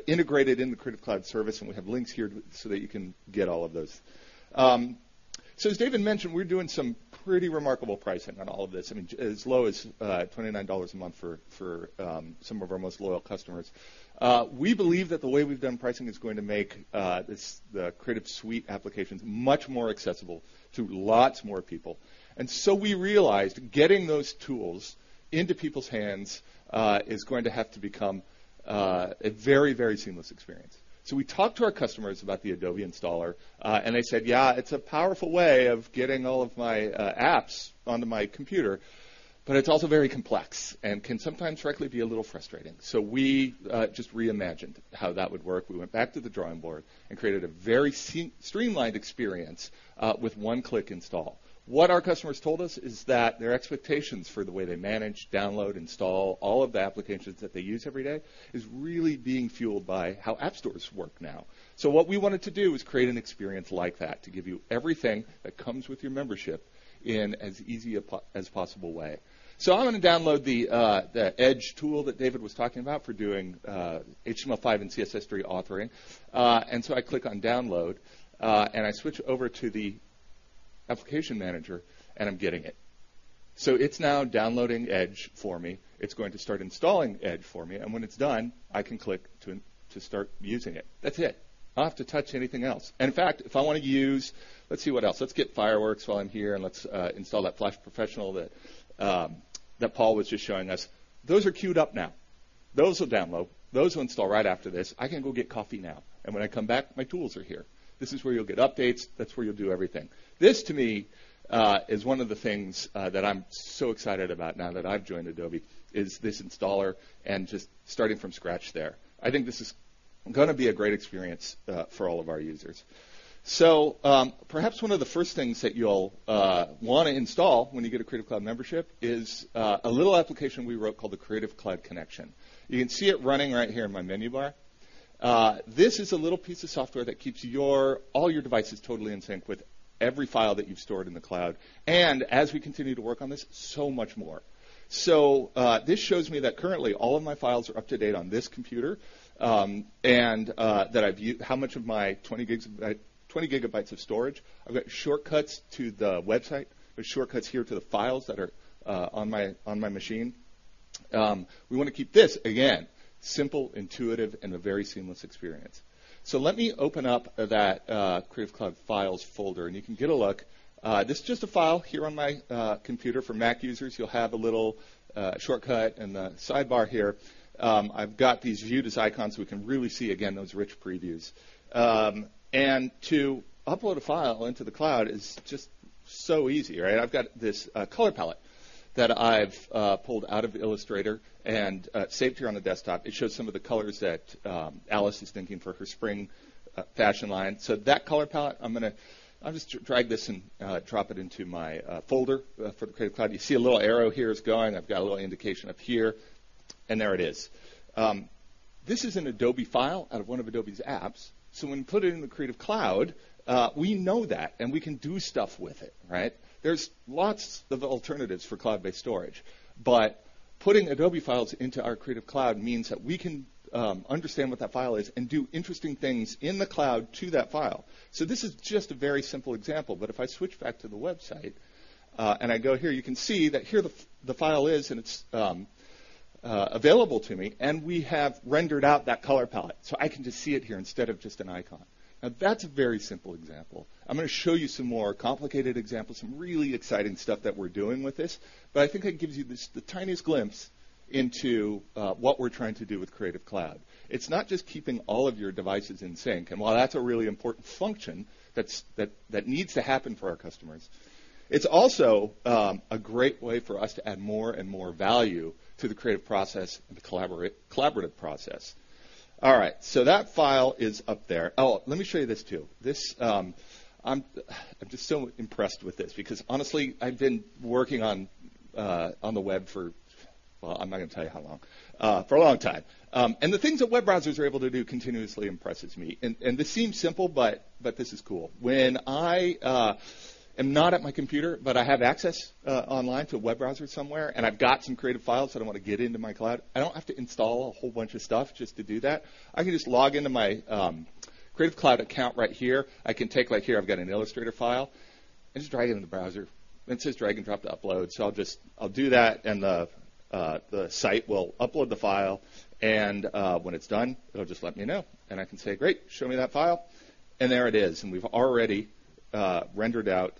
integrated in the Creative Cloud service. We have links here so that you can get all of those. As David mentioned, we're doing some pretty remarkable pricing on all of this, I mean, as low as $29 a month for some of our most loyal customers. We believe that the way we've done pricing is going to make the Creative Suite applications much more accessible to lots more people. We realized getting those tools into people's hands is going to have to become a very, very seamless experience. We talked to our customers about the Adobe Installer, and they said, yeah, it's a powerful way of getting all of my apps onto my computer, but it's also very complex and can sometimes frankly be a little frustrating. We just reimagined how that would work. We went back to the drawing board and created a very streamlined experience with one-click install. What our customers told us is that their expectations for the way they manage, download, install all of the applications that they use every day is really being fueled by how app stores work now. What we wanted to do is create an experience like that to give you everything that comes with your membership in an as easy as possible way. I'm going to download the Edge tool that David was talking about for doing HTML5 and CSS3 authoring. I click on Download, and I switch over to the Application Manager, and I'm getting it. It's now downloading Edge for me. It's going to start installing Edge for me, and when it's done, I can click to start using it. That's it. I don't have to touch anything else. In fact, if I want to use, let's see what else. Let's get Fireworks while I'm here, and let's install that Flash Professional that Paul was just showing us. Those are queued up now. Those will download. Those will install right after this. I can go get coffee now, and when I come back, my tools are here. This is where you'll get updates. That's where you'll do everything. This, to me, is one of the things that I'm so excited about now that I've joined Adobe, is this installer and just starting from scratch there. I think this is going to be a great experience for all of our users. Perhaps one of the first things that you'll want to install when you get a Creative Cloud membership is a little application we wrote called the Creative Cloud Connection. You can see it running right here in my menu bar. This is a little piece of software that keeps all your devices totally in sync with every file that you've stored in the cloud and, as we continue to work on this, so much more. This shows me that currently, all of my files are up to date on this computer and that I've used how much of my 20 gigabytes of storage. I've got shortcuts to the website. There are shortcuts here to the files that are on my machine. We want to keep this, again, simple, intuitive, and a very seamless experience. Let me open up that Creative Cloud Files folder, and you can get a look. This is just a file here on my computer. For Mac users, you'll have a little shortcut in the sidebar here. I've got these View This icons. We can really see, again, those rich previews. To upload a file into the cloud is just so easy. I've got this color palette that I've pulled out of Illustrator and saved here on the desktop. It shows some of the colors that Alice is thinking for her spring fashion line. That color palette, I'm going to just drag this and drop it into my folder for the Creative Cloud. You see a little arrow here is going. I've got a little indication of here. There it is. This is an Adobe file out of one of Adobe's apps. When we put it in the Creative Cloud, we know that, and we can do stuff with it. There are lots of alternatives for cloud-based storage, but putting Adobe files into our Creative Cloud means that we can understand what that file is and do interesting things in the cloud to that file. This is just a very simple example. If I switch back to the website and I go here, you can see that here the file is, and it's available to me. We have rendered out that color palette, so I can just see it here instead of just an icon. That's a very simple example. I'm going to show you some more complicated examples, some really exciting stuff that we're doing with this. I think it gives you the tiniest glimpse into what we're trying to do with Creative Cloud. It's not just keeping all of your devices in sync. While that's a really important function that needs to happen for our customers, it's also a great way for us to add more and more value to the creative process and the collaborative process. All right. That file is up there. Let me show you this too. I'm just so impressed with this because honestly, I've been working on the web for, I'm not going to tell you how long, for a long time. The things that web browsers are able to do continuously impress me. This seems simple, but this is cool. When I am not at my computer, but I have access online to a web browser somewhere, and I've got some creative files that I want to get into my cloud, I don't have to install a whole bunch of stuff just to do that. I can just log into my Creative Cloud account right here. I can take right here, I've got an Illustrator file, and just drag it into the browser. It says drag and drop to upload. I'll do that. The site will upload the file. When it's done, it'll just let me know. I can say, great, show me that file. There it is. We've already rendered out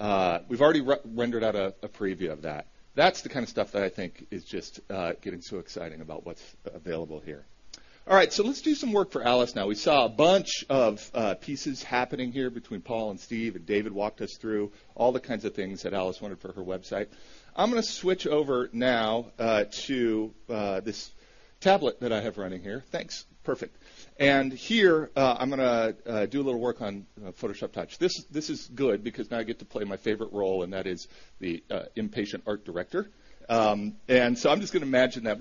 a preview of that. That's the kind of stuff that I think is just getting so exciting about what's available here. All right. Let's do some work for Alice now. We saw a bunch of pieces happening here between Paul and Steve. David walked us through all the kinds of things that Alice wanted for her website. I'm going to switch over now to this tablet that I have running here. Thanks. Perfect. Here, I'm going to do a little work on Photoshop Touch. This is good because now I get to play my favorite role, and that is the Impatient Art Director. I'm just going to imagine that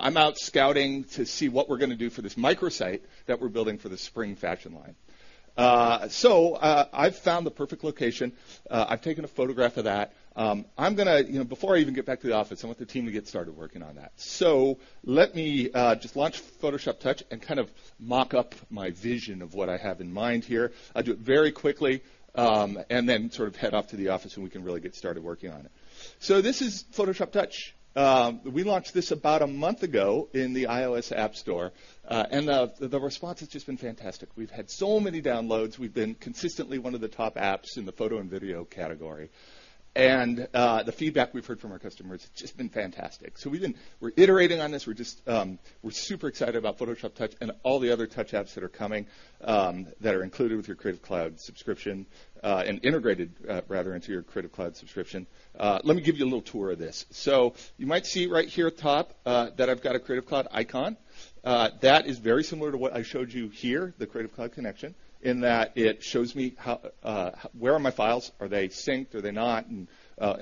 I'm out scouting to see what we're going to do for this microsite that we're building for the spring fashion line. I've found the perfect location. I've taken a photograph of that. Before I even get back to the office, I want the team to get started working on that. Let me just launch Photoshop Touch and kind of mock up my vision of what I have in mind here. I'll do it very quickly and then sort of head off to the office. We can really get started working on it. This is Photoshop Touch. We launched this about a month ago in the iOS App Store. The response has just been fantastic. We've had so many downloads. We've been consistently one of the top apps in the photo and video category. The feedback we've heard from our customers has just been fantastic. We're iterating on this. We're super excited about Photoshop Touch and all the other touch apps that are coming that are included with your Creative Cloud subscription and integrated, rather, into your Creative Cloud subscription. Let me give you a little tour of this. You might see right here at the top that I've got a Creative Cloud icon. That is very similar to what I showed you here, the Creative Cloud Connection, in that it shows me where are my files. Are they synced? Are they not?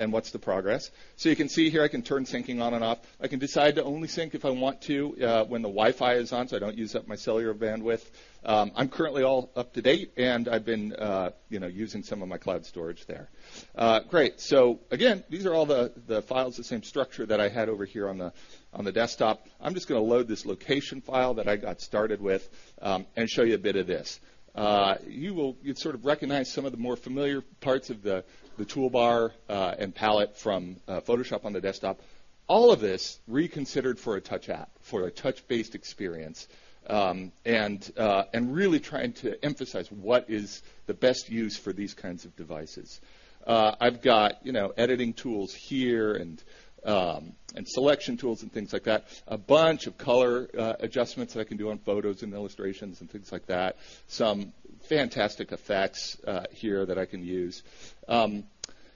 What's the progress? You can see here, I can turn syncing on and off. I can decide to only sync if I want to when the Wi-Fi is on so I don't use up my cellular bandwidth. I'm currently all up to date. I've been using some of my cloud storage there. Great. These are all the files, the same structure that I had over here on the desktop. I'm just going to load this location file that I got started with and show you a bit of this. You'd sort of recognize some of the more familiar parts of the toolbar and palette from Photoshop on the desktop, all of this reconsidered for a touch app, for a touch-based experience, and really trying to emphasize what is the best use for these kinds of devices. I've got editing tools here and selection tools and things like that, a bunch of color adjustments that I can do on photos and illustrations and things like that, some fantastic effects here that I can use, and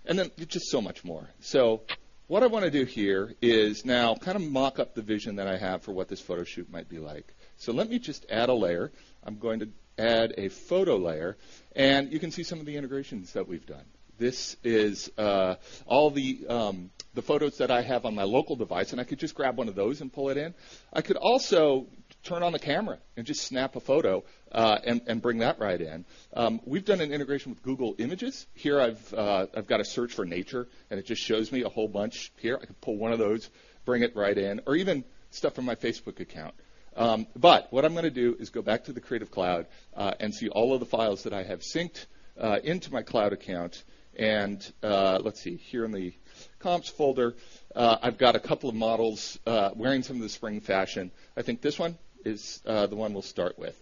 then just so much more. What I want to do here is now kind of mock up the vision that I have for what this photo shoot might be like. Let me just add a layer. I'm going to add a photo layer. You can see some of the integrations that we've done. This is all the photos that I have on my local device. I could just grab one of those and pull it in. I could also turn on the camera and just snap a photo and bring that right in. We've done an integration with Google Images. Here, I've got a search for nature. It just shows me a whole bunch here. I could pull one of those, bring it right in, or even stuff from my Facebook account. What I'm going to do is go back to the Creative Cloud and see all of the files that I have synced into my cloud account. Let's see, here in the comps folder, I've got a couple of models wearing some of the spring fashion. I think this one is the one we'll start with.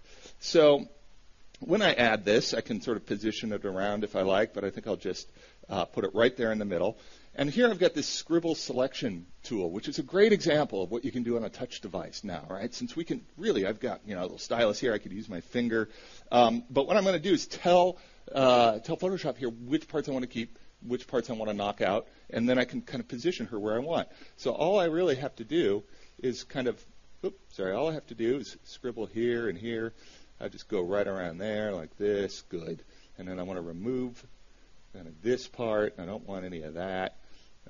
When I add this, I can sort of position it around if I like. I think I'll just put it right there in the middle. Here, I've got this Scribble Selection tool, which is a great example of what you can do on a touch device now, since we can really, I've got a little stylus here. I could use my finger. What I'm going to do is tell Photoshop here which parts I want to keep, which parts I want to knock out. I can kind of position her where I want. All I really have to do is kind of, oops, sorry, all I have to do is scribble here and here. I just go right around there like this. Good. I want to remove kind of this part. I don't want any of that.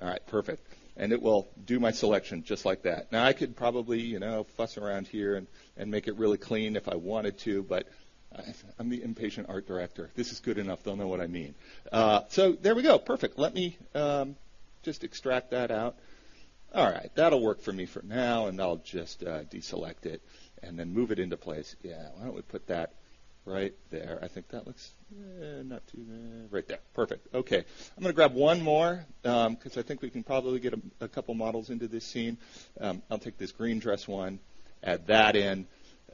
All right. Perfect. It will do my selection just like that. Now, I could probably fuss around here and make it really clean if I wanted to. I'm the Impatient Art Director. If this is good enough, they'll know what I mean. There we go. Perfect. Let me just extract that out. All right. That'll work for me for now. I'll just deselect it and then move it into place. Why don't we put that right there? I think that looks not too bad. Right there. Perfect. OK. I'm going to grab one more because I think we can probably get a couple of models into this scene. I'll take this green dress one, add that in.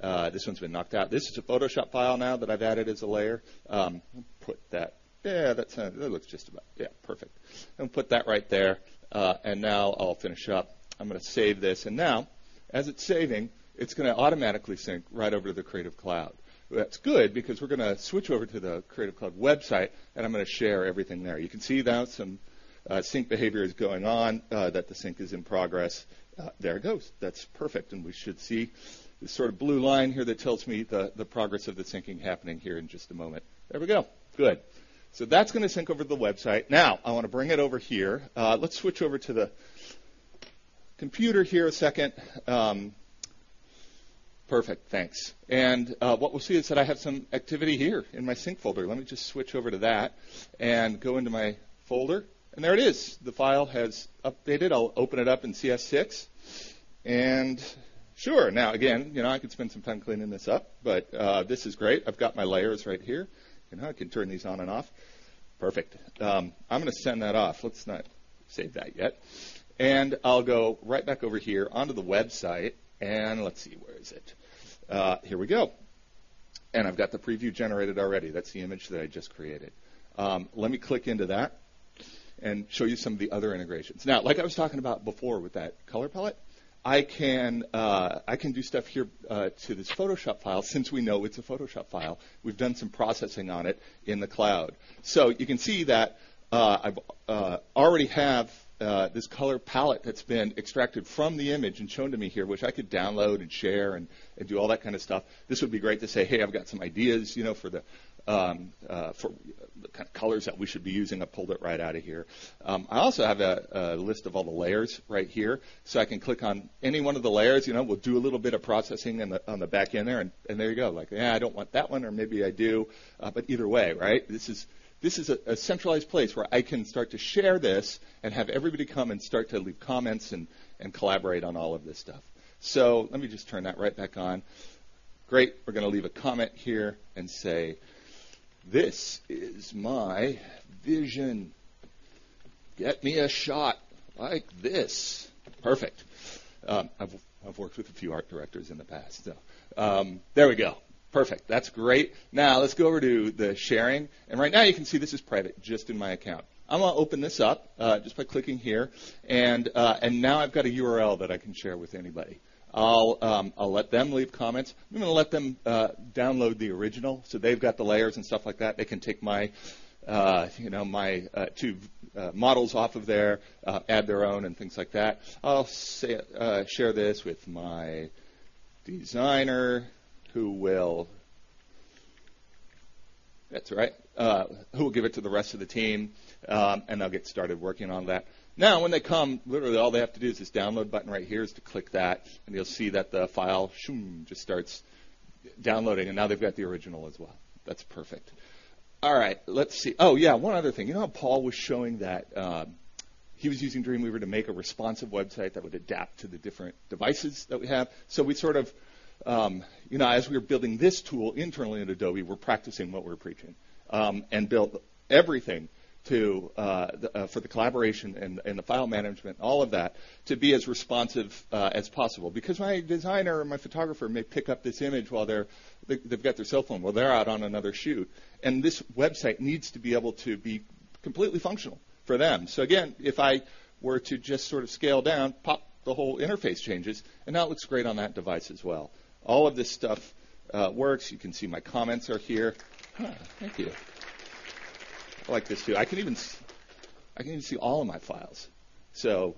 This one's been knocked out. This is a Photoshop file now that I've added as a layer. I'll put that there. That looks just about, yeah, perfect. I'm going to put that right there. Now I'll finish up. I'm going to save this. As it's saving, it's going to automatically sync right over to the Creative Cloud. That's good because we're going to switch over to the Creative Cloud website. I'm going to share everything there. You can see now some sync behavior is going on, that the sync is in progress. There it goes. That's perfect. We should see the sort of blue line here that tells me the progress of the syncing happening here in just a moment. There we go. Good. That's going to sync over to the website. Now, I want to bring it over here. Let's switch over to the computer here a second. Perfect. Thanks. What we'll see is that I have some activity here in my sync folder. Let me just switch over to that and go into my folder. There it is. The file has updated. I'll open it up in CS6. Sure, now again, I could spend some time cleaning this up. This is great. I've got my layers right here. I can turn these on and off. Perfect. I'm going to send that off. Let's not save that yet. I'll go right back over here onto the website. Let's see, where is it? Here we go. I've got the preview generated already. That's the image that I just created. Let me click into that and show you some of the other integrations. Now, like I was talking about before with that color palette, I can do stuff here to this Photoshop file, since we know it's a Photoshop file. We've done some processing on it in the cloud. You can see that I already have this color palette that's been extracted from the image and shown to me here, which I could download and share and do all that kind of stuff. This would be great to say, hey, I've got some ideas for the kind of colors that we should be using. I pulled it right out of here. I also have a list of all the layers right here. I can click on any one of the layers. We'll do a little bit of processing on the back end there. There you go, like, yeah, I don't want that one, or maybe I do. Either way, this is a centralized place where I can start to share this and have everybody come and start to leave comments and collaborate on all of this stuff. Let me just turn that right back on. Great. We're going to leave a comment here and say, this is my vision. Get me a shot like this. Perfect. I've worked with a few art directors in the past. There we go. Perfect. That's great. Now, let's go over to the sharing. Right now, you can see this is private, just in my account. I'm going to open this up just by clicking here. Now I've got a URL that I can share with anybody. I'll let them leave comments. I'm going to let them download the original. They've got the layers and stuff like that. They can take my two models off of there, add their own, and things like that. I'll share this with my designer who will, that's right, who will give it to the rest of the team. I'll get started working on that. When they come, literally all they have to do is this download button right here is to click that. You'll see that the file just starts downloading. Now they've got the original as well. That's perfect. Let's see. Oh, yeah, one other thing. You know how Paul was showing that he was using Dreamweaver to make a responsive website that would adapt to the different devices that we have? As we were building this tool internally in Adobe, we're practicing what we're preaching and built everything for the collaboration and the file management and all of that to be as responsive as possible. My designer and my photographer may pick up this image while they've got their cell phone while they're out on another shoot. This website needs to be able to be completely functional for them. If I were to just sort of scale down, pop, the whole interface changes. Now it looks great on that device as well. All of this stuff works. You can see my comments are here. Thank you. I like this too. I can even see all of my files. This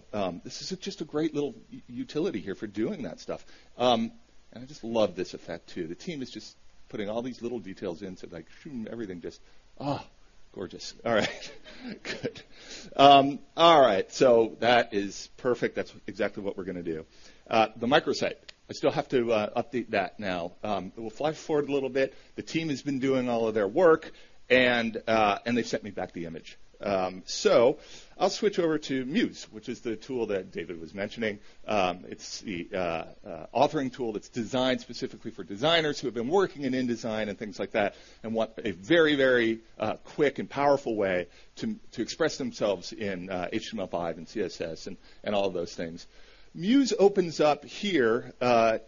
is just a great little utility here for doing that stuff. I just love this effect too. The team is just putting all these little details in so everything just, oh, gorgeous. All right. Good. All right. That is perfect. That's exactly what we're going to do. The microsite, I still have to update that now. It will fly forward a little bit. The team has been doing all of their work. They sent me back the image. I'll switch over to Muse, which is the tool that David was mentioning. It's the authoring tool that's designed specifically for designers who have been working in InDesign and things like that and want a very, very quick and powerful way to express themselves in HTML5 and CSS and all of those things. Muse opens up here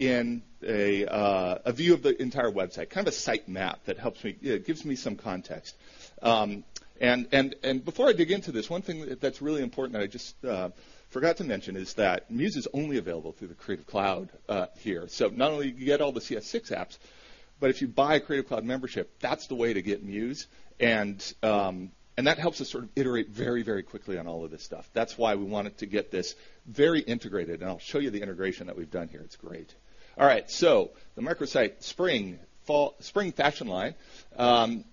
in a view of the entire website, kind of a site map that gives me some context. Before I dig into this, one thing that's really important that I just forgot to mention is that Muse is only available through the Creative Cloud here. Not only do you get all the CS6 apps, but if you buy a Creative Cloud membership, that's the way to get Muse. That helps us sort of iterate very, very quickly on all of this stuff. That's why we wanted to get this very integrated. I'll show you the integration that we've done here. It's great. All right. The microsite, spring fashion line,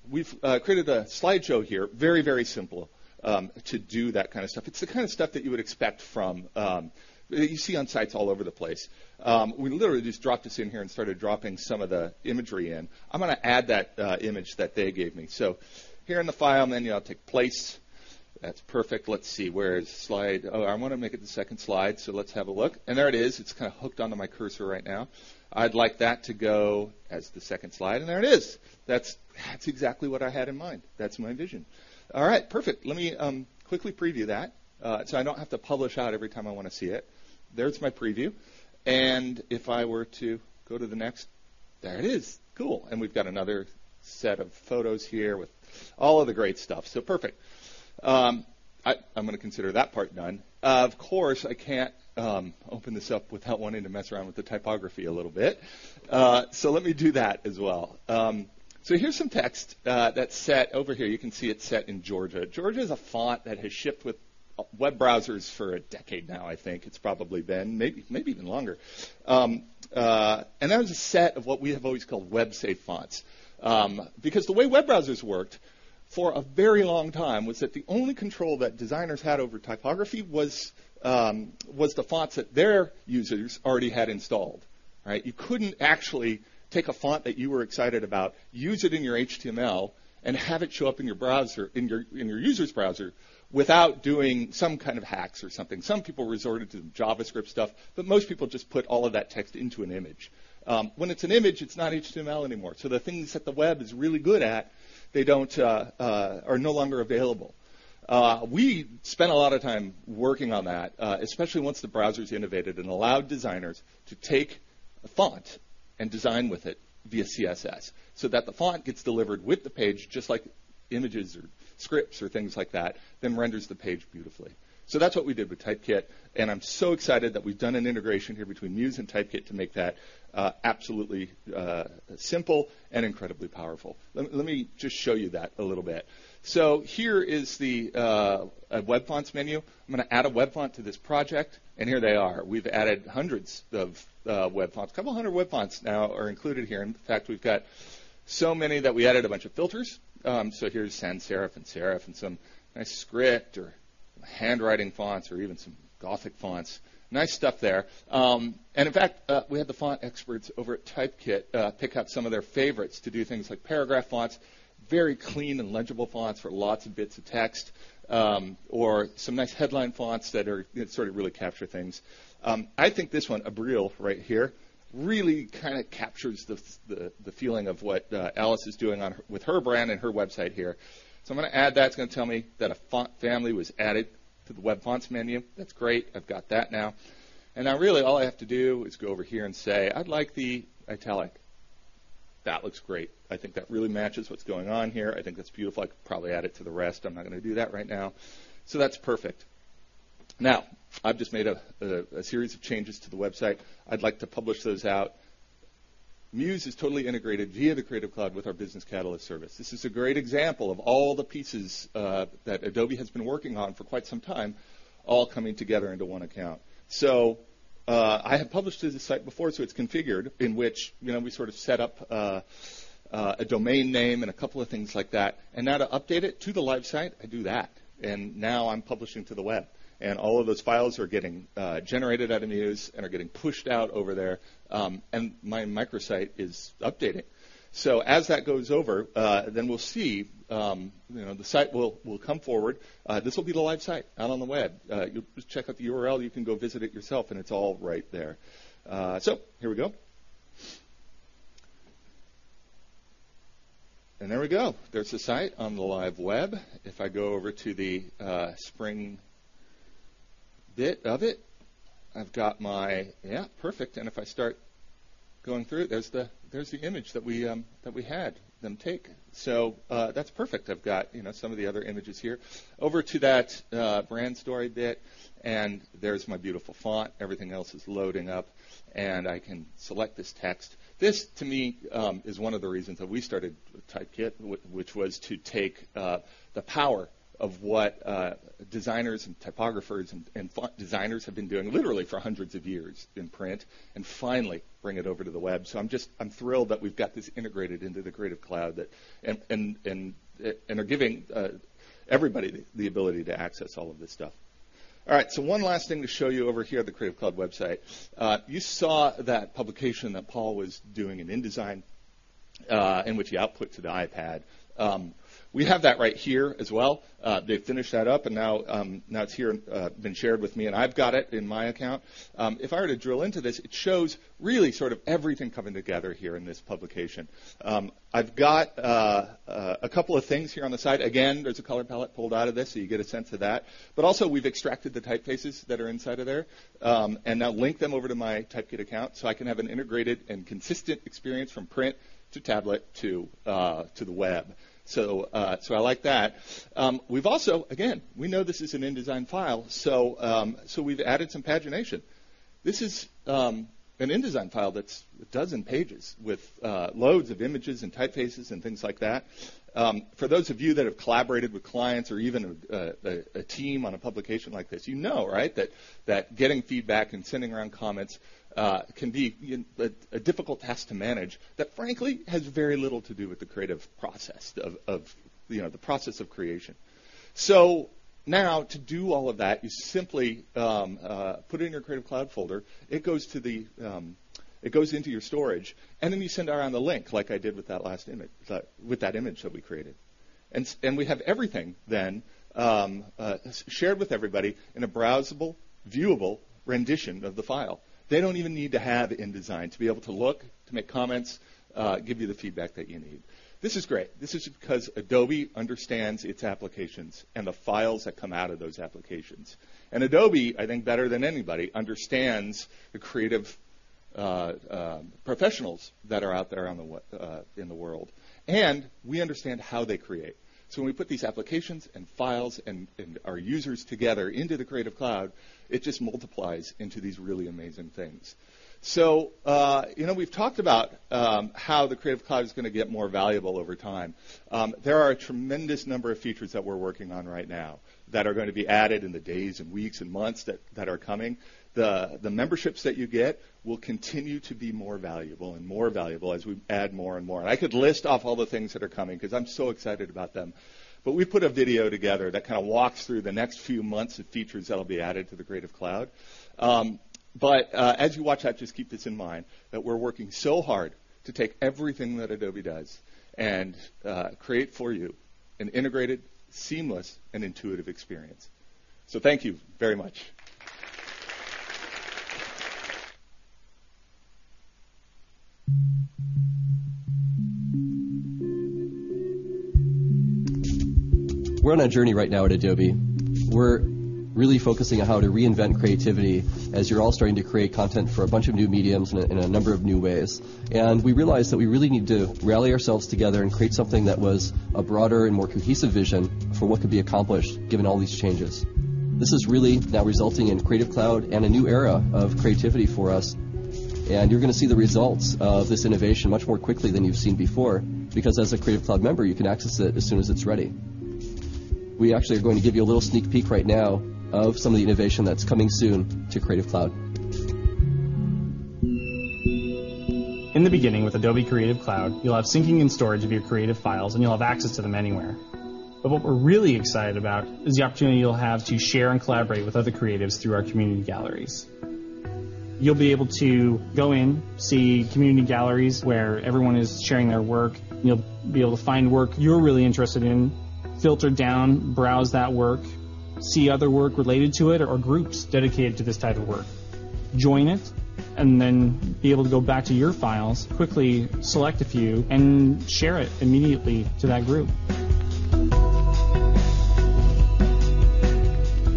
we've created a slideshow here, very, very simple to do that kind of stuff. It's the kind of stuff that you would expect from that you see on sites all over the place. We literally just dropped this in here and started dropping some of the imagery in. I'm going to add that image that they gave me. Here in the file menu, I'll take Place. That's perfect. Let's see, where is slide? Oh, I want to make it the second slide. Let's have a look. There it is. It's kind of hooked onto my cursor right now. I'd like that to go as the second slide. There it is. That's exactly what I had in mind. That's my vision. All right. Perfect. Let me quickly preview that so I don't have to publish out every time I want to see it. There's my preview. If I were to go to the next, there it is. Cool. We've got another set of photos here with all of the great stuff. Perfect. I'm going to consider that part done. Of course, I can't open this up without wanting to mess around with the typography a little bit. Let me do that as well. Here's some text that's set over here. You can see it's set in Georgia. Georgia is a font that has shipped with web browsers for a decade now, I think. It's probably been, maybe even longer. That was a set of what we have always called web safe fonts. The way web browsers worked for a very long time was that the only control that designers had over typography was the fonts that their users already had installed. You couldn't actually take a font that you were excited about, use it in your HTML, and have it show up in your user's browser without doing some kind of hacks or something. Some people resorted to the JavaScript stuff. Most people just put all of that text into an image. When it's an image, it's not HTML anymore. The things that the web is really good at are no longer available. We spent a lot of time working on that, especially once the browsers innovated and allowed designers to take a font and design with it via CSS so that the font gets delivered with the page, just like images or scripts or things like that, then renders the page beautifully. That is what we did with Typekit. I'm so excited that we've done an integration here between Muse and Typekit to make that absolutely simple and incredibly powerful. Let me just show you that a little bit. Here is the Web Fonts menu. I'm going to add a web font to this project. Here they are. We've added hundreds of web fonts. A couple hundred web fonts now are included here. In fact, we've got so many that we added a bunch of filters. Here is sans-serif and serif and some nice script or handwriting fonts or even some Gothic fonts. Nice stuff there. In fact, we had the font experts over at Typekit pick out some of their favorites to do things like paragraph fonts, very clean and legible fonts for lots of bits of text, or some nice headline fonts that really capture things. I think this one, Abril, right here, really kind of captures the feeling of what Alice is doing with her brand and her website here. I'm going to add that. It's going to tell me that a font family was added to the Web Fonts menu. That's great. I've got that now. Now really, all I have to do is go over here and say, I'd like the italic. That looks great. I think that really matches what's going on here. I think that's beautiful. I could probably add it to the rest. I'm not going to do that right now. That's perfect. I've just made a series of changes to the website. I'd like to publish those out. Muse is totally integrated via the Creative Cloud with our Business Catalyst service. This is a great example of all the pieces that Adobe has been working on for quite some time, all coming together into one account. I have published to the site before, so it's configured, in which we sort of set up a domain name and a couple of things like that. Now to update it to the live site, I do that. Now I'm publishing to the web, and all of those files are getting generated out of Muse and are getting pushed out over there. My microsite is updated. As that goes over, we'll see the site will come forward. This will be the live site out on the web. Just check out the URL. You can go visit it yourself, and it's all right there. Here we go. There we go. There's the site on the live web. If I go over to the spring bit of it, I've got my, yeah, perfect. If I start going through, there's the image that we had them take. That's perfect. I've got some of the other images here over to that brand story bit, and there's my beautiful font. Everything else is loading up. I can select this text. This, to me, is one of the reasons that we started with Typekit, which was to take the power. Of what designers and typographers and designers have been doing literally for hundreds of years in print and finally bring it over to the web. I'm thrilled that we've got this integrated into the Creative Cloud and are giving everybody the ability to access all of this stuff. All right, one last thing to show you over here at the Creative Cloud website. You saw that publication that Paul was doing in InDesign in which he output to the iPad. We have that right here as well. They finished that up, and now it's here and been shared with me, and I've got it in my account. If I were to drill into this, it shows really sort of everything coming together here in this publication. I've got a couple of things here on the site. Again, there's a color palette pulled out of this, so you get a sense of that. Also, we've extracted the typefaces that are inside of there and now linked them over to my Typekit account so I can have an integrated and consistent experience from print to tablet to the web. I like that. We've also, again, we know this is an InDesign file, so we've added some pagination. This is an InDesign file that's a dozen pages with loads of images and typefaces and things like that. For those of you that have collaborated with clients or even a team on a publication like this, you know that getting feedback and sending around comments can be a difficult task to manage that, frankly, has very little to do with the creative process of the process of creation. Now, to do all of that, you simply put it in your Creative Cloud folder. It goes into your storage, and you send around the link like I did with that image that we created. We have everything then shared with everybody in a browsable, viewable rendition of the file. They don't even need to have InDesign to be able to look, to make comments, give you the feedback that you need. This is great. This is because Adobe understands its applications and the files that come out of those applications. Adobe, I think better than anybody, understands the creative professionals that are out there in the world, and we understand how they create. When we put these applications and files and our users together into the Creative Cloud, it just multiplies into these really amazing things. We've talked about how the Creative Cloud is going to get more valuable over time. There are a tremendous number of features that we're working on right now that are going to be added in the days, weeks, and months that are coming. The memberships that you get will continue to be more valuable and more valuable as we add more and more. I could list off all the things that are coming because I'm so excited about them. We put a video together that kind of walks through the next few months of features that will be added to the Creative Cloud. As you watch that, just keep this in mind: we're working so hard to take everything that Adobe does and create for you an integrated, seamless, and intuitive experience. Thank you very much. We're on a journey right now at Adobe. We're really focusing on how to reinvent creativity as you're all starting to create content for a bunch of new mediums and in a number of new ways. We realized that we really need to rally ourselves together and create something that was a broader and more cohesive vision for what could be accomplished given all these changes. This is really now resulting in Creative Cloud and a new era of creativity for us. You're going to see the results of this innovation much more quickly than you've seen before because, as a Creative Cloud member, you can access it as soon as it's ready. We actually are going to give you a little sneak peek right now of some of the innovation that's coming soon to Creative Cloud. In the beginning, with Adobe Creative Cloud, you'll have syncing and storage of your creative files, and you'll have access to them anywhere. What we're really excited about is the opportunity you'll have to share and collaborate with other creatives through our community galleries. You'll be able to go in, see community galleries where everyone is sharing their work, and you'll be able to find work you're really interested in, filter down, browse that work, see other work related to it or groups dedicated to this type of work, join it, and then be able to go back to your files, quickly select a few, and share it immediately to that group.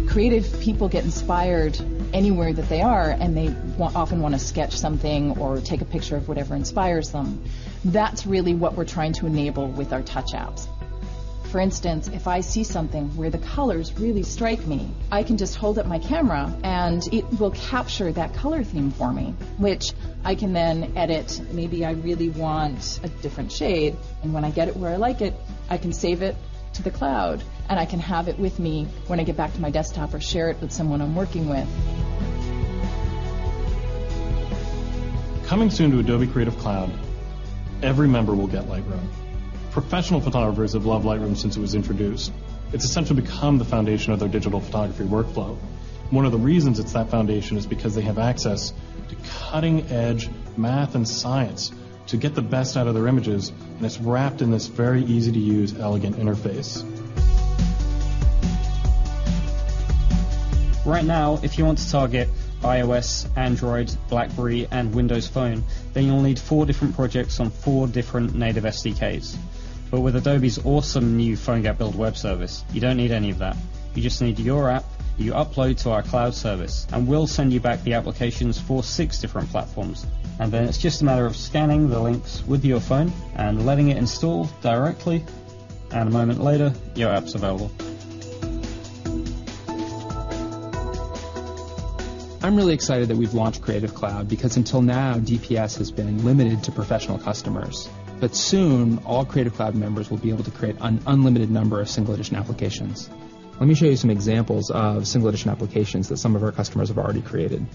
Creative people get inspired anywhere that they are, and they often want to sketch something or take a picture of whatever inspires them. That's really what we're trying to enable with our touch-outs. For instance, if I see something where the colors really strike me, I can just hold up my camera, and it will capture that color theme for me, which I can then edit. Maybe I really want a different shade. When I get it where I like it, I can save it to the cloud, and I can have it with me when I get back to my desktop or share it with someone I'm working with. Coming soon to Adobe Creative Cloud, every member will get Lightroom. Professional photographers have loved Lightroom since it was introduced. It's essential to become the foundation of their digital photography workflow. One of the reasons it's that foundation is because they have access to cutting-edge math and science to get the best out of their images, and it's wrapped in this very easy-to-use, elegant interface. Right now, if you want to target iOS, Android, BlackBerry, and Windows Phone, you'll need four different projects on four different native SDKs. With Adobe's awesome new PhoneGap Build web service, you don't need any of that. You just need your app, you upload to our cloud service, and we'll send you back the applications for six different platforms. It's just a matter of scanning the links with your phone and letting it install directly. A moment later, your app's available. I'm really excited that we've launched Creative Cloud because, until now, DPS has been limited to professional customers. Soon, all Creative Cloud members will be able to create an unlimited number of single-edition applications. Let me show you some examples of single-edition applications that some of our customers have already created.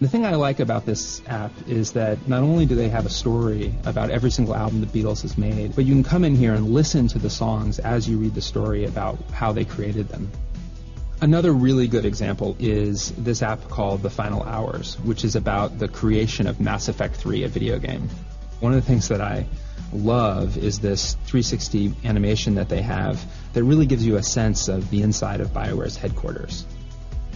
The thing I like about this app is that not only do they have a story about every single album The Beatles has made, but you can come in here and listen to the songs as you read the story about how they created them. Another really good example is this app called The Final Hours, which is about the creation of Mass Effect 3, a video game. One of the things that I love is this 360 animation that they have that really gives you a sense of the inside of BioWare's headquarters.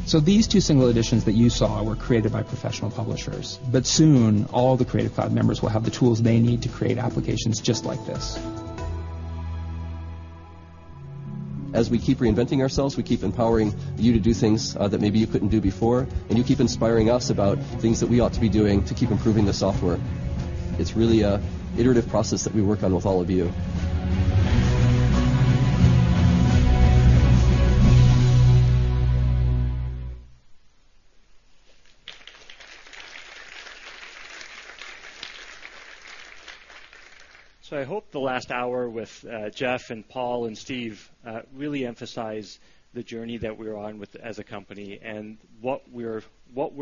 These two single editions that you saw were created by professional publishers. Soon, all the Creative Cloud members will have the tools they need to create applications just like this. As we keep reinventing ourselves, we keep empowering you to do things that maybe you couldn't do before, and you keep inspiring us about things that we ought to be doing to keep improving the software. It's really an iterative process that we work on with all of you. I hope the last hour with Jeff, Paul, and Steve really emphasized the journey that we're on as a company and what we're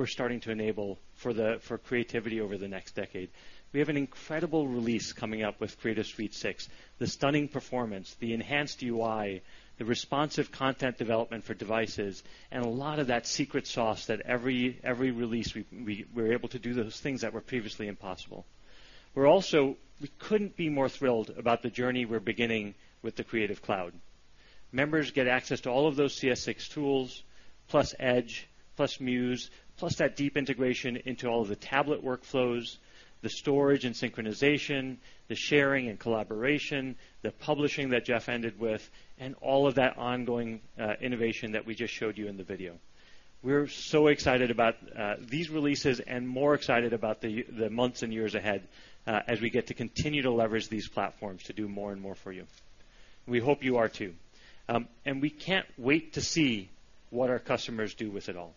starting to enable for creativity over the next decade. We have an incredible release coming up with Creative Suite 6, the stunning performance, the enhanced UI, the responsive content development for devices, and a lot of that secret sauce that every release we're able to do those things that were previously impossible. We couldn't be more thrilled about the journey we're beginning with the Creative Cloud. Members get access to all of those CS6 tools, plus Edge, plus Muse, plus that deep integration into all of the tablet workflows, the storage and synchronization, the sharing and collaboration, the publishing that Jeff ended with, and all of that ongoing innovation that we just showed you in the video. We're so excited about these releases and more excited about the months and years ahead as we get to continue to leverage these platforms to do more and more for you. We hope you are, too. We can't wait to see what our customers do with it all.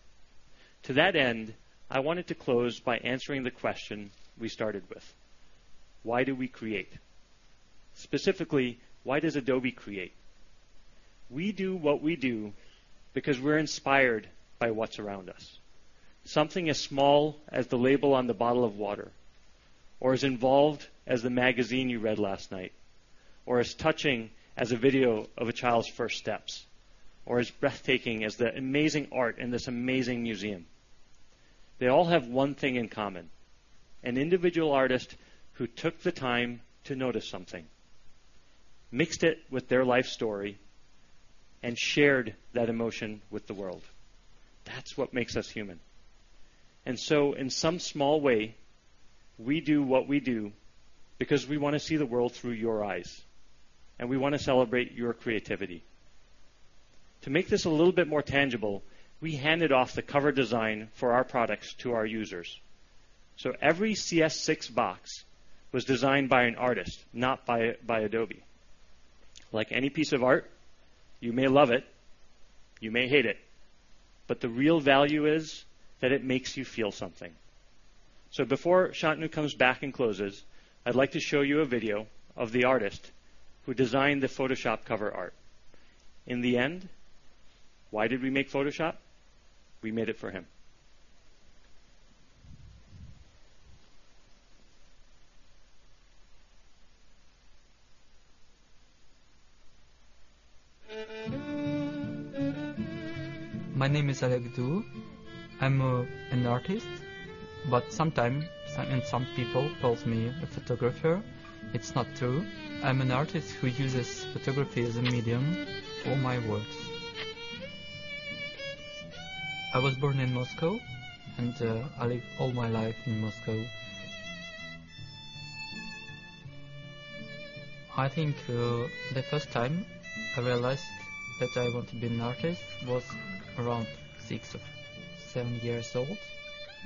To that end, I wanted to close by answering the question we started with. Why do we create? Specifically, why does Adobe create? We do what we do because we're inspired by what's around us. Something as small as the label on the bottle of water or as involved as the magazine you read last night or as touching as a video of a child's first steps or as breathtaking as the amazing art in this amazing museum. They all have one thing in common: an individual artist who took the time to notice something, mixed it with their life story, and shared that emotion with the world. That's what makes us human. In some small way, we do what we do because we want to see the world through your eyes, and we want to celebrate your creativity. To make this a little bit more tangible, we handed off the cover design for our products to our users. Every CS6 box was designed by an artist, not by Adobe. Like any piece of art, you may love it, you may hate it, but the real value is that it makes you feel something. Before Shantanu comes back and closes, I'd like to show you a video of the artist who designed the Photoshop cover art. In the end, why did we make Photoshop? We made it for him. My name is Oleg Dou. I'm an artist, but sometimes some people call me a photographer. It's not true. I'm an artist who uses photography as a medium for my works. I was born in Moscow, and I lived all my life in Moscow. I think the first time I realized that I wanted to be an artist was around six or seven years old.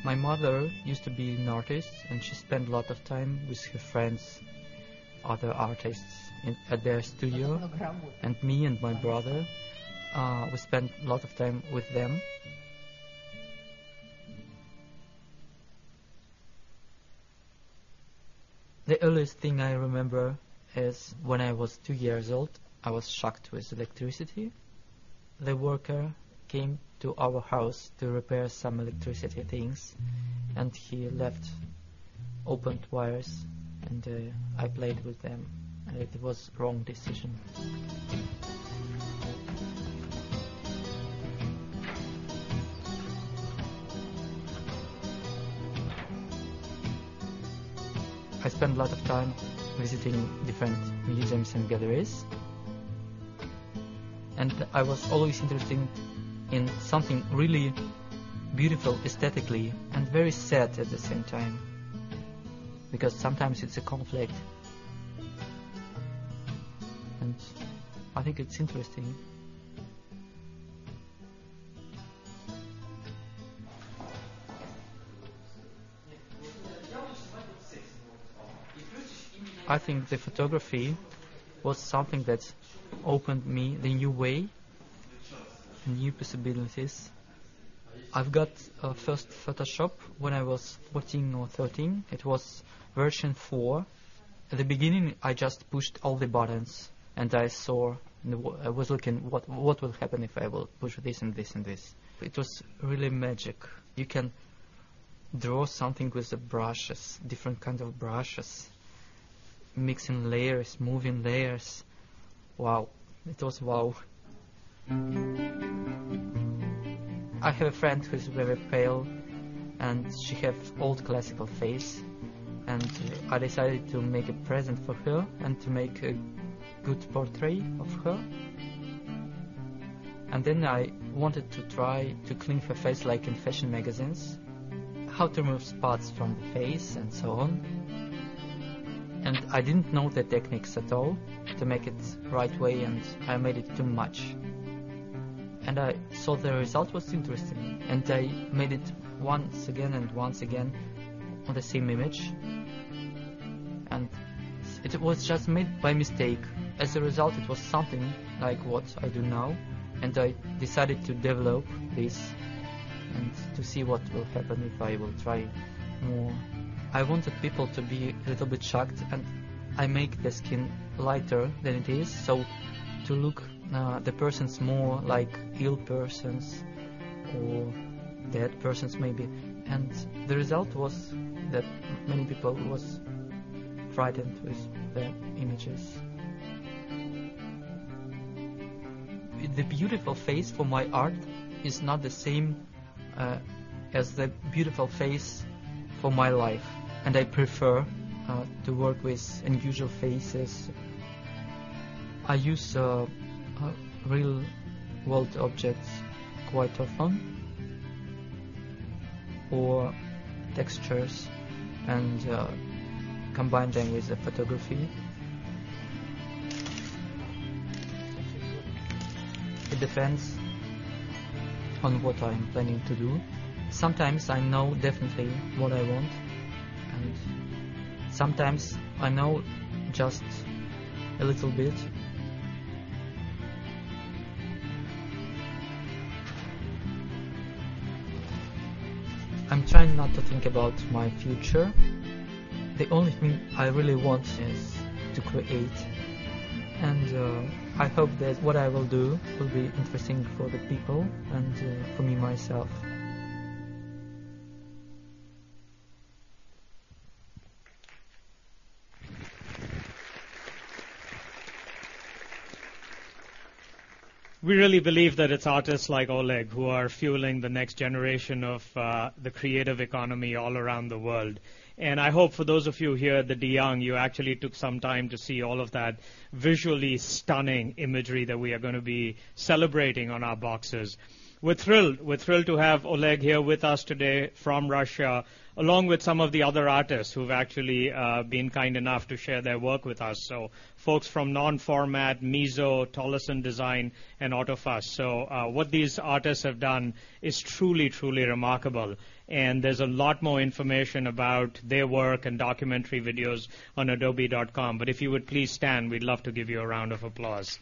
My mother used to be an artist, and she spent a lot of time with her friends, other artists at their studio. Me and my brother, we spent a lot of time with them. The earliest thing I remember is when I was two years old. I was shocked with electricity. The worker came to our house to repair some electricity things, and he left open wires, and I played with them. It was a wrong decision. I spent a lot of time visiting different museums and galleries. I was always interested in something really beautiful aesthetically and very sad at the same time because sometimes it's a conflict. I think it's interesting. I think the photography was something that opened me a new way, new possibilities. I've got a first Photoshop when I was 14 or 13. It was version 4. At the beginning, I just pushed all the buttons, and I saw I was looking, what will happen if I will push this and this and this? It was really magic. You can draw something with the brushes, different kinds of brushes, mixing layers, moving layers. Wow. It was wow. I have a friend who's very pale, and she has an old classical face. I decided to make a present for her and to make a good portrait of her. I wanted to try to clean her face like in fashion magazines, how to remove spots from the face and so on. I didn't know the techniques at all to make it the right way, and I made it too much. I saw the result was interesting, and I made it once again and once again on the same image. It was just made by mistake. As a result, it was something like what I do now. I decided to develop this and to see what will happen if I will try more. I wanted people to be a little bit shocked, and I make the skin lighter than it is to look the person's more like ill persons or dead persons, maybe. The result was that many people were frightened with the images. The beautiful face for my art is not the same as the beautiful face for my life. I prefer to work with unusual faces. I use real-world objects quite often for textures and combine them with the photography. It depends on what I'm planning to do. Sometimes I know definitely what I want, and sometimes I know just a little bit. I'm trying not to think about my future. The only thing I really want is to create. I hope that what I will do will be interesting for the people and for me myself. We really believe that it's artists like Oleg who are fueling the next generation of the creative economy all around the world. I hope for those of you here at the de Young, you actually took some time to see all of that visually stunning imagery that we are going to be celebrating on our boxes. We're thrilled. We're thrilled to have Oleg here with us today from Russia, along with some of the other artists who've actually been kind enough to share their work with us, so folks from Non-Format, Mizo, Tolleson Design, and Autofast. What these artists have done is truly, truly remarkable. There's a lot more information about their work and documentary videos on adobe.com. If you would please stand, we'd love to give you a round of applause.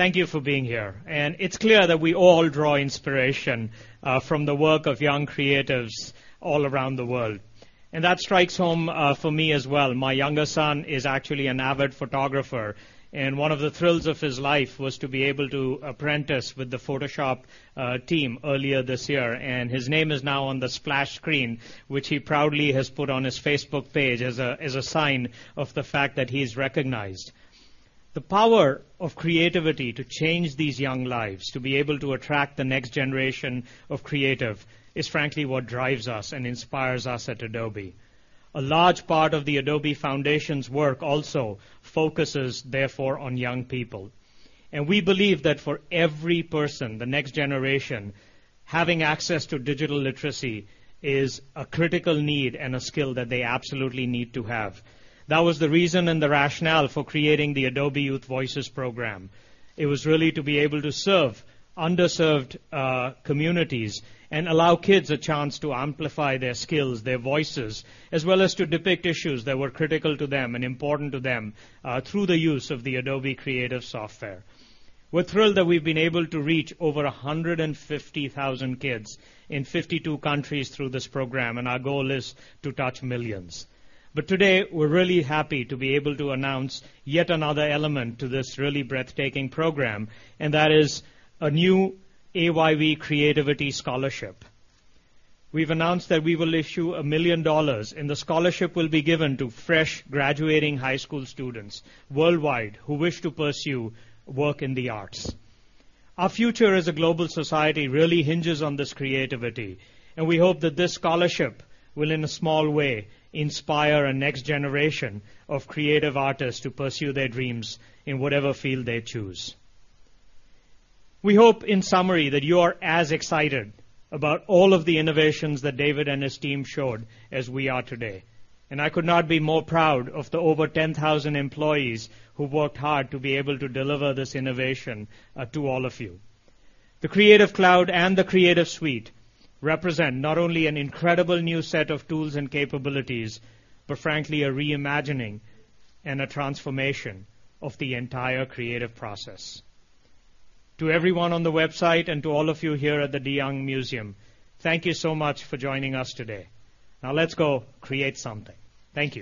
Thank you for being here. It's clear that we all draw inspiration from the work of young creatives all around the world. That strikes home for me as well. My younger son is actually an avid photographer. One of the thrills of his life was to be able to apprentice with the Photoshop team earlier this year. His name is now on the splash screen, which he proudly has put on his Facebook page as a sign of the fact that he's recognized. The power of creativity to change these young lives, to be able to attract the next generation of creative, is frankly what drives us and inspires us at Adobe. A large part of the Adobe Foundation's work also focuses, therefore, on young people. We believe that for every person, the next generation, having access to digital literacy is a critical need and a skill that they absolutely need to have. That was the reason and the rationale for creating the Adobe Youth Voices program. It was really to be able to serve underserved communities and allow kids a chance to amplify their skills, their voices, as well as to depict issues that were critical to them and important to them through the use of the Adobe Creative software. We're thrilled that we've been able to reach over 150,000 kids in 52 countries through this program. Our goal is to touch millions. Today, we're really happy to be able to announce yet another element to this really breathtaking program, and that is a new AYV Creativity Scholarship. We've announced that we will issue $1 million, and the scholarship will be given to fresh graduating high school students worldwide who wish to pursue work in the arts. Our future as a global society really hinges on this creativity. We hope that this scholarship will, in a small way, inspire a next generation of creative artists to pursue their dreams in whatever field they choose. We hope, in summary, that you are as excited about all of the innovations that David and his team showed as we are today. I could not be more proud of the over 10,000 employees who worked hard to be able to deliver this innovation to all of you. The Creative Cloud and the Creative Suite represent not only an incredible new set of tools and capabilities, but frankly a reimagining and a transformation of the entire creative process. To everyone on the website and to all of you here at the de Young Museum, thank you so much for joining us today. Now let's go create something. Thank you.